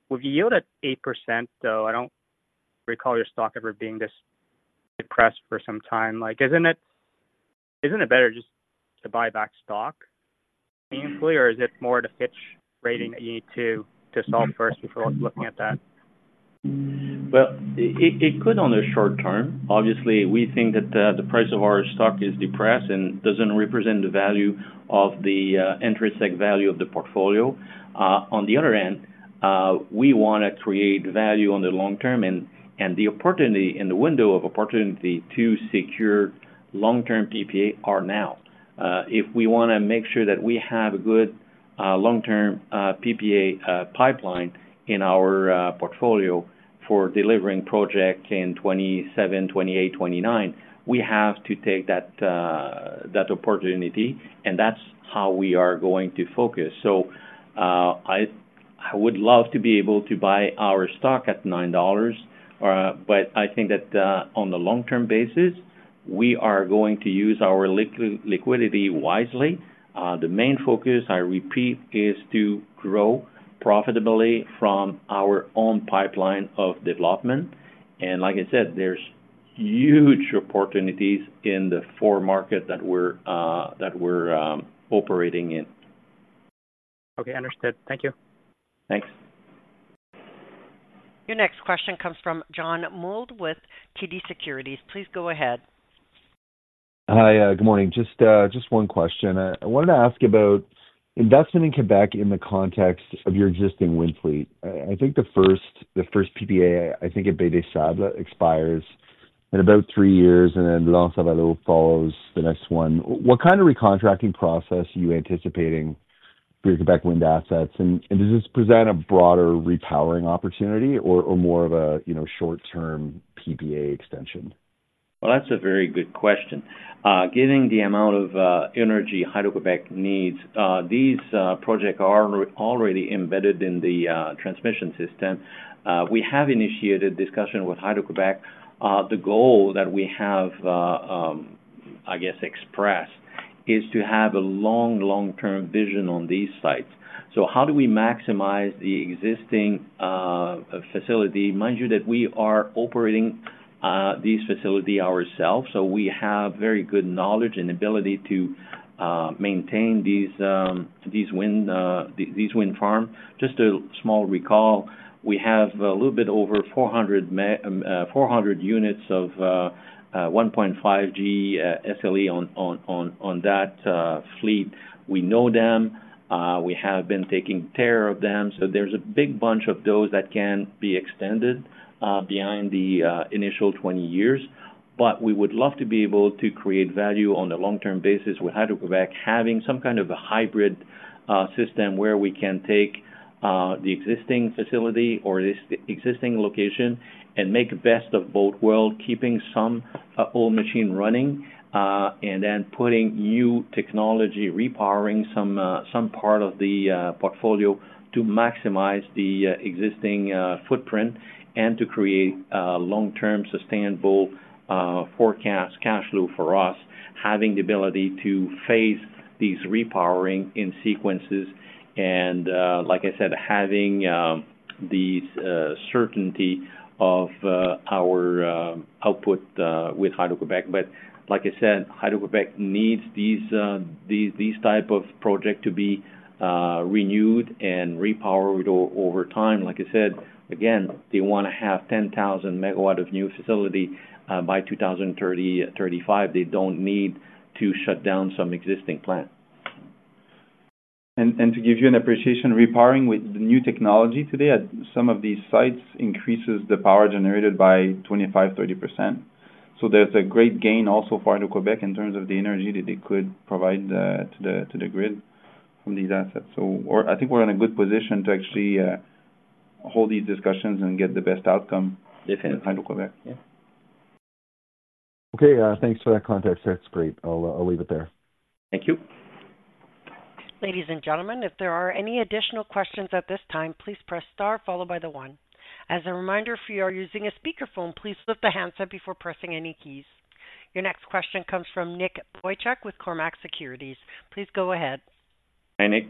[SPEAKER 10] With yield at 8%, though, I don't recall your stock ever being this depressed for some time. Like, isn't it, isn't it better just to buy back stock meaningfully, or is it more the credit rating that you need to, to solve first before looking at that?
[SPEAKER 3] Well, it could on the short term. Obviously, we think that the price of our stock is depressed and doesn't represent the value of the intrinsic value of the portfolio. On the other hand, we want to create value on the long term, and the opportunity, and the window of opportunity to secure long-term PPA are now. If we want to make sure that we have a good long-term PPA pipeline in our portfolio for delivering projects in 2027, 2028, 2029, we have to take that opportunity, and that's how we are going to focus. So, I would love to be able to buy our stock at 9 dollars, but I think that on the long-term basis, we are going to use our liquidity wisely. The main focus, I repeat, is to grow profitably from our own pipeline of development. And like I said, there's huge opportunities in the four market that we're operating in.
[SPEAKER 10] Okay, understood. Thank you.
[SPEAKER 3] Thanks.
[SPEAKER 1] Your next question comes from John Mould with TD Securities. Please go ahead.
[SPEAKER 11] Hi, good morning. Just, just one question. I wanted to ask about investment in Quebec in the context of your existing wind fleet. I, I think the first, the first PPA, I think at Baie-des-Sables, expires in about three years, and then L'Anse-à-Valleau follows the next one. What kind of recontracting process are you anticipating?
[SPEAKER 4] Quebec wind assets. And does this present a broader repowering opportunity or more of a, you know, short-term PPA extension?
[SPEAKER 3] Well, that's a very good question. Given the amount of energy Hydro-Québec needs, these projects are already embedded in the transmission system. We have initiated discussion with Hydro-Québec. The goal that we have, I guess, expressed, is to have a long-term vision on these sites. So how do we maximize the existing facility? Mind you, that we are operating these facility ourselves, so we have very good knowledge and ability to maintain these wind farm. Just a small recall, we have a little bit over 400 units of 1.5 GE SLE on that fleet. We know them, we have been taking care of them, so there's a big bunch of those that can be extended, beyond the initial 20 years. But we would love to be able to create value on a long-term basis with Hydro-Québec, having some kind of a hybrid system where we can take the existing facility or this existing location and make the best of both world, keeping some old machine running, and then putting new technology, repowering some some part of the portfolio to maximize the existing footprint and to create long-term, sustainable forecast cash flow for us. Having the ability to phase these repowering in sequences and, like I said, having the certainty of our output with Hydro-Québec. But like I said, Hydro-Québec needs these type of project to be renewed and repowered over time. Like I said, again, they want to have 10,000 MW of new facility by 2030, 2035. They don't need to shut down some existing plant.
[SPEAKER 5] To give you an appreciation, repowering with the new technology today at some of these sites increases the power generated by 25%-30%. So there's a great gain also for Hydro-Québec in terms of the energy that they could provide to the grid from these assets. So we're—I think we're in a good position to actually hold these discussions and get the best outcome.
[SPEAKER 3] Definitely.
[SPEAKER 5] With Hydro-Québec.
[SPEAKER 11] Okay. Thanks for that context. That's great. I'll, I'll leave it there.
[SPEAKER 5] Thank you.
[SPEAKER 1] Ladies and gentlemen, if there are any additional questions at this time, please press Star followed by the one. As a reminder, if you are using a speakerphone, please lift the handset before pressing any keys. Your next question comes from Nick Boychuk with Cormark Securities. Please go ahead.
[SPEAKER 5] Hi, Nick.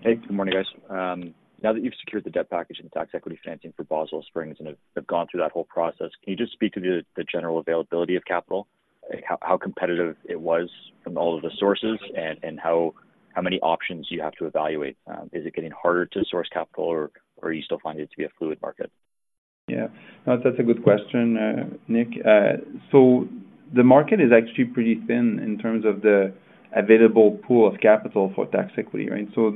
[SPEAKER 12] Hey, good morning, guys. Now that you've secured the debt package and tax equity financing for Boswell Springs and have gone through that whole process, can you just speak to the general availability of capital? How competitive it was from all of the sources, and how many options you have to evaluate? Is it getting harder to source capital or are you still finding it to be a fluid market?
[SPEAKER 5] Yeah, that's a good question, Nick. So the market is actually pretty thin in terms of the available pool of capital for tax equity, right? So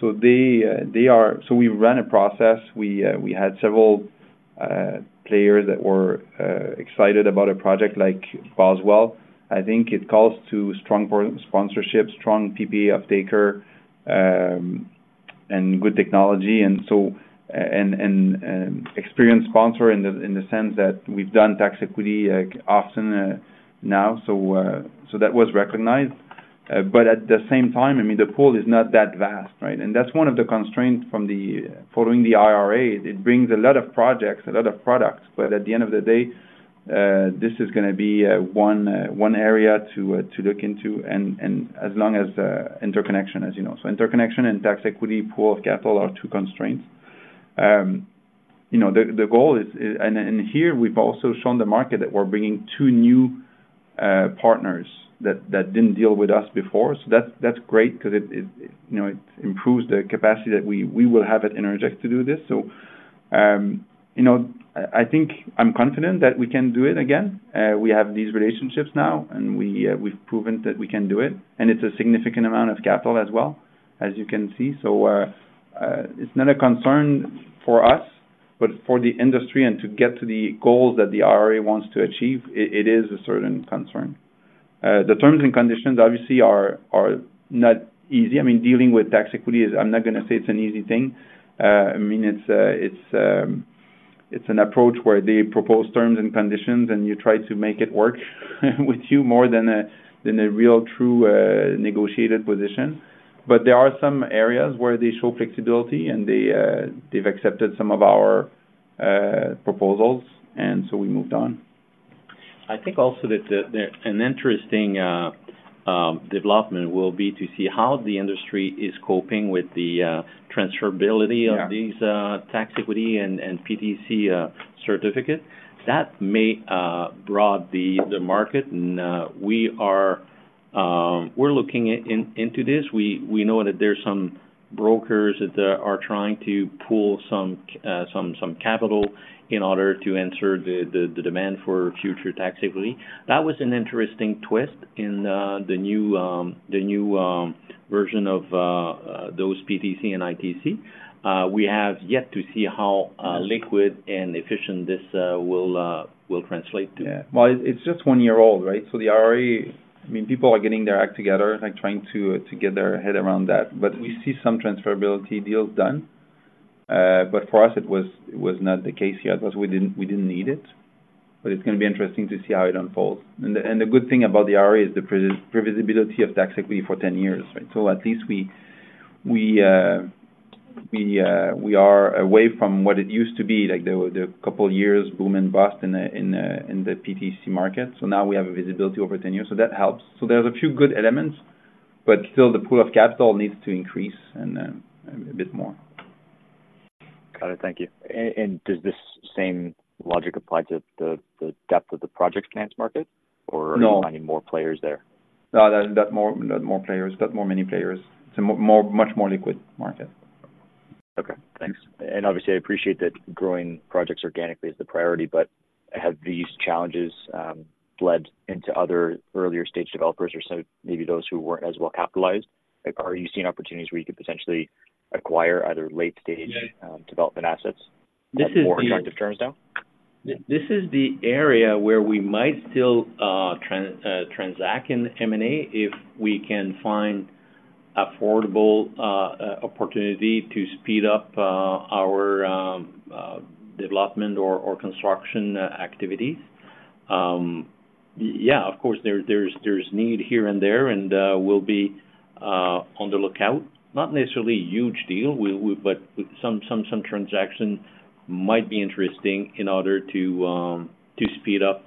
[SPEAKER 5] we ran a process. We had several players that were excited about a project like Boswell. I think it calls for strong sponsorship, strong PPA off-taker, and good technology, and experienced sponsor in the sense that we've done tax equity, like, often now, so that was recognized. But at the same time, I mean, the pool is not that vast, right? And that's one of the constraints following the IRA. It brings a lot of projects, a lot of products, but at the end of the day, this is gonna be one area to look into, and as long as the interconnection, as you know. So interconnection and tax equity pool of capital are two constraints. You know, the goal is. And here we've also shown the market that we're bringing two new partners that didn't deal with us before. So that's great because it improves the capacity that we will have at Innergex to do this. So, you know, I think I'm confident that we can do it again. We have these relationships now, and we've proven that we can do it, and it's a significant amount of capital as well, as you can see. So, it's not a concern for us, but for the industry and to get to the goals that the IRA wants to achieve, it is a certain concern. The terms and conditions obviously are not easy. I mean, dealing with tax equity is, I'm not gonna say it's an easy thing. I mean, it's an approach where they propose terms and conditions, and you try to make it work with you more than a, than a real, true negotiated position. But there are some areas where they show flexibility, and they, they've accepted some of our proposals, and so we moved on.
[SPEAKER 3] I think also that an interesting development will be to see how the industry is coping with the transferability-
[SPEAKER 5] Yeah...
[SPEAKER 3] of these, tax equity and PTC certificates. That may broaden the market, and we are, we're looking into this. We know that there's some brokers that are trying to pull some capital in order to answer the demand for future tax equity. That was an interesting twist in the new version of those PTC and ITC. We have yet to see how-
[SPEAKER 5] Yes...
[SPEAKER 3] liquid and efficient this, will, will translate to.
[SPEAKER 5] Yeah. Well, it's just one year old, right? So the IRA, I mean, people are getting their act together and trying to get their head around that. But we see some transferability deals done....
[SPEAKER 3] But for us, it was not the case yet because we didn't need it. But it's gonna be interesting to see how it unfolds. The good thing about the RE is the previsibility of tax equity for 10 years, right? So at least we are away from what it used to be, like, there were the couple years boom and bust in the PTC market. So now we have a visibility over 10 years, so that helps. So there's a few good elements, but still the pool of capital needs to increase and a bit more.
[SPEAKER 12] Got it. Thank you. And does this same logic apply to the depth of the project finance market, or-
[SPEAKER 3] No.
[SPEAKER 12] Are you finding more players there?
[SPEAKER 3] No, there are a lot more players, many players. It's a much more liquid market.
[SPEAKER 12] Okay, thanks. And obviously, I appreciate that growing projects organically is the priority, but have these challenges bled into other earlier stage developers or so maybe those who weren't as well capitalized? Like, are you seeing opportunities where you could potentially acquire other late-stage-
[SPEAKER 3] Yeah...
[SPEAKER 12] development assets?
[SPEAKER 3] This is the-
[SPEAKER 12] More attractive terms now.
[SPEAKER 3] This is the area where we might still transact in M&A if we can find affordable opportunity to speed up our development or construction activities. Yeah, of course, there's need here and there, and we'll be on the lookout. Not necessarily a huge deal, but some transaction might be interesting in order to speed up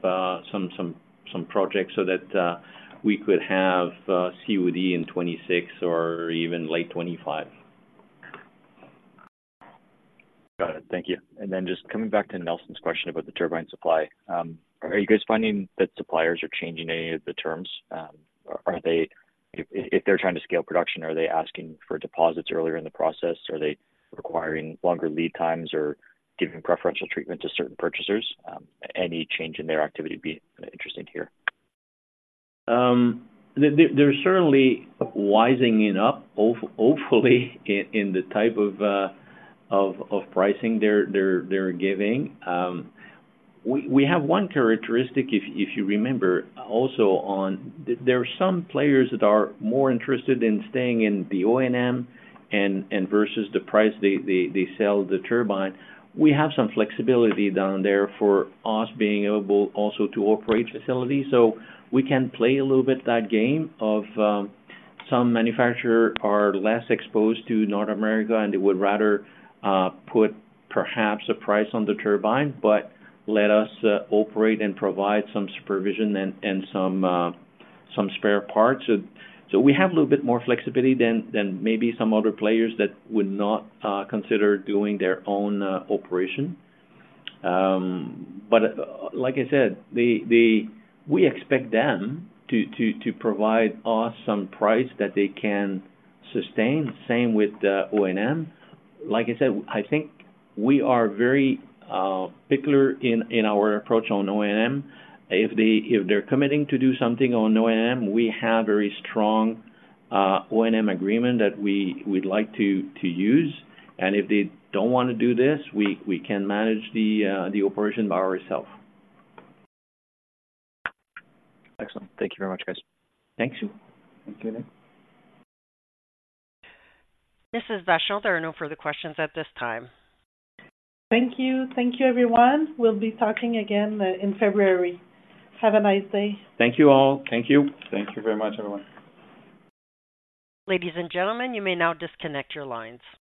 [SPEAKER 3] some projects so that we could have COD in 2026 or even late 2025.
[SPEAKER 12] Got it. Thank you. Then just coming back to Nelson's question about the turbine supply. Are you guys finding that suppliers are changing any of the terms? If they're trying to scale production, are they asking for deposits earlier in the process? Are they requiring longer lead times or giving preferential treatment to certain purchasers? Any change in their activity would be interesting to hear.
[SPEAKER 3] They're certainly wising it up, hopefully, in the type of pricing they're giving. We have one characteristic, if you remember, also on... There are some players that are more interested in staying in the O&M and versus the price they sell the turbine. We have some flexibility down there for us being able also to operate facilities, so we can play a little bit that game of some manufacturer are less exposed to North America, and they would rather put perhaps a price on the turbine, but let us operate and provide some supervision and some spare parts. So we have a little bit more flexibility than maybe some other players that would not consider doing their own operation. But like I said, we expect them to provide us some price that they can sustain. Same with O&M. Like I said, I think we are very particular in our approach on O&M. If they're committing to do something on O&M, we have very strong O&M agreement that we'd like to use, and if they don't want to do this, we can manage the operation by ourself.
[SPEAKER 12] Excellent. Thank you very much, guys.
[SPEAKER 3] Thank you.
[SPEAKER 12] Thank you.
[SPEAKER 1] This is Vachon. There are no further questions at this time.
[SPEAKER 2] Thank you. Thank you, everyone. We'll be talking again in February. Have a nice day.
[SPEAKER 3] Thank you all. Thank you.
[SPEAKER 5] Thank you very much, everyone.
[SPEAKER 1] Ladies and gentlemen, you may now disconnect your lines.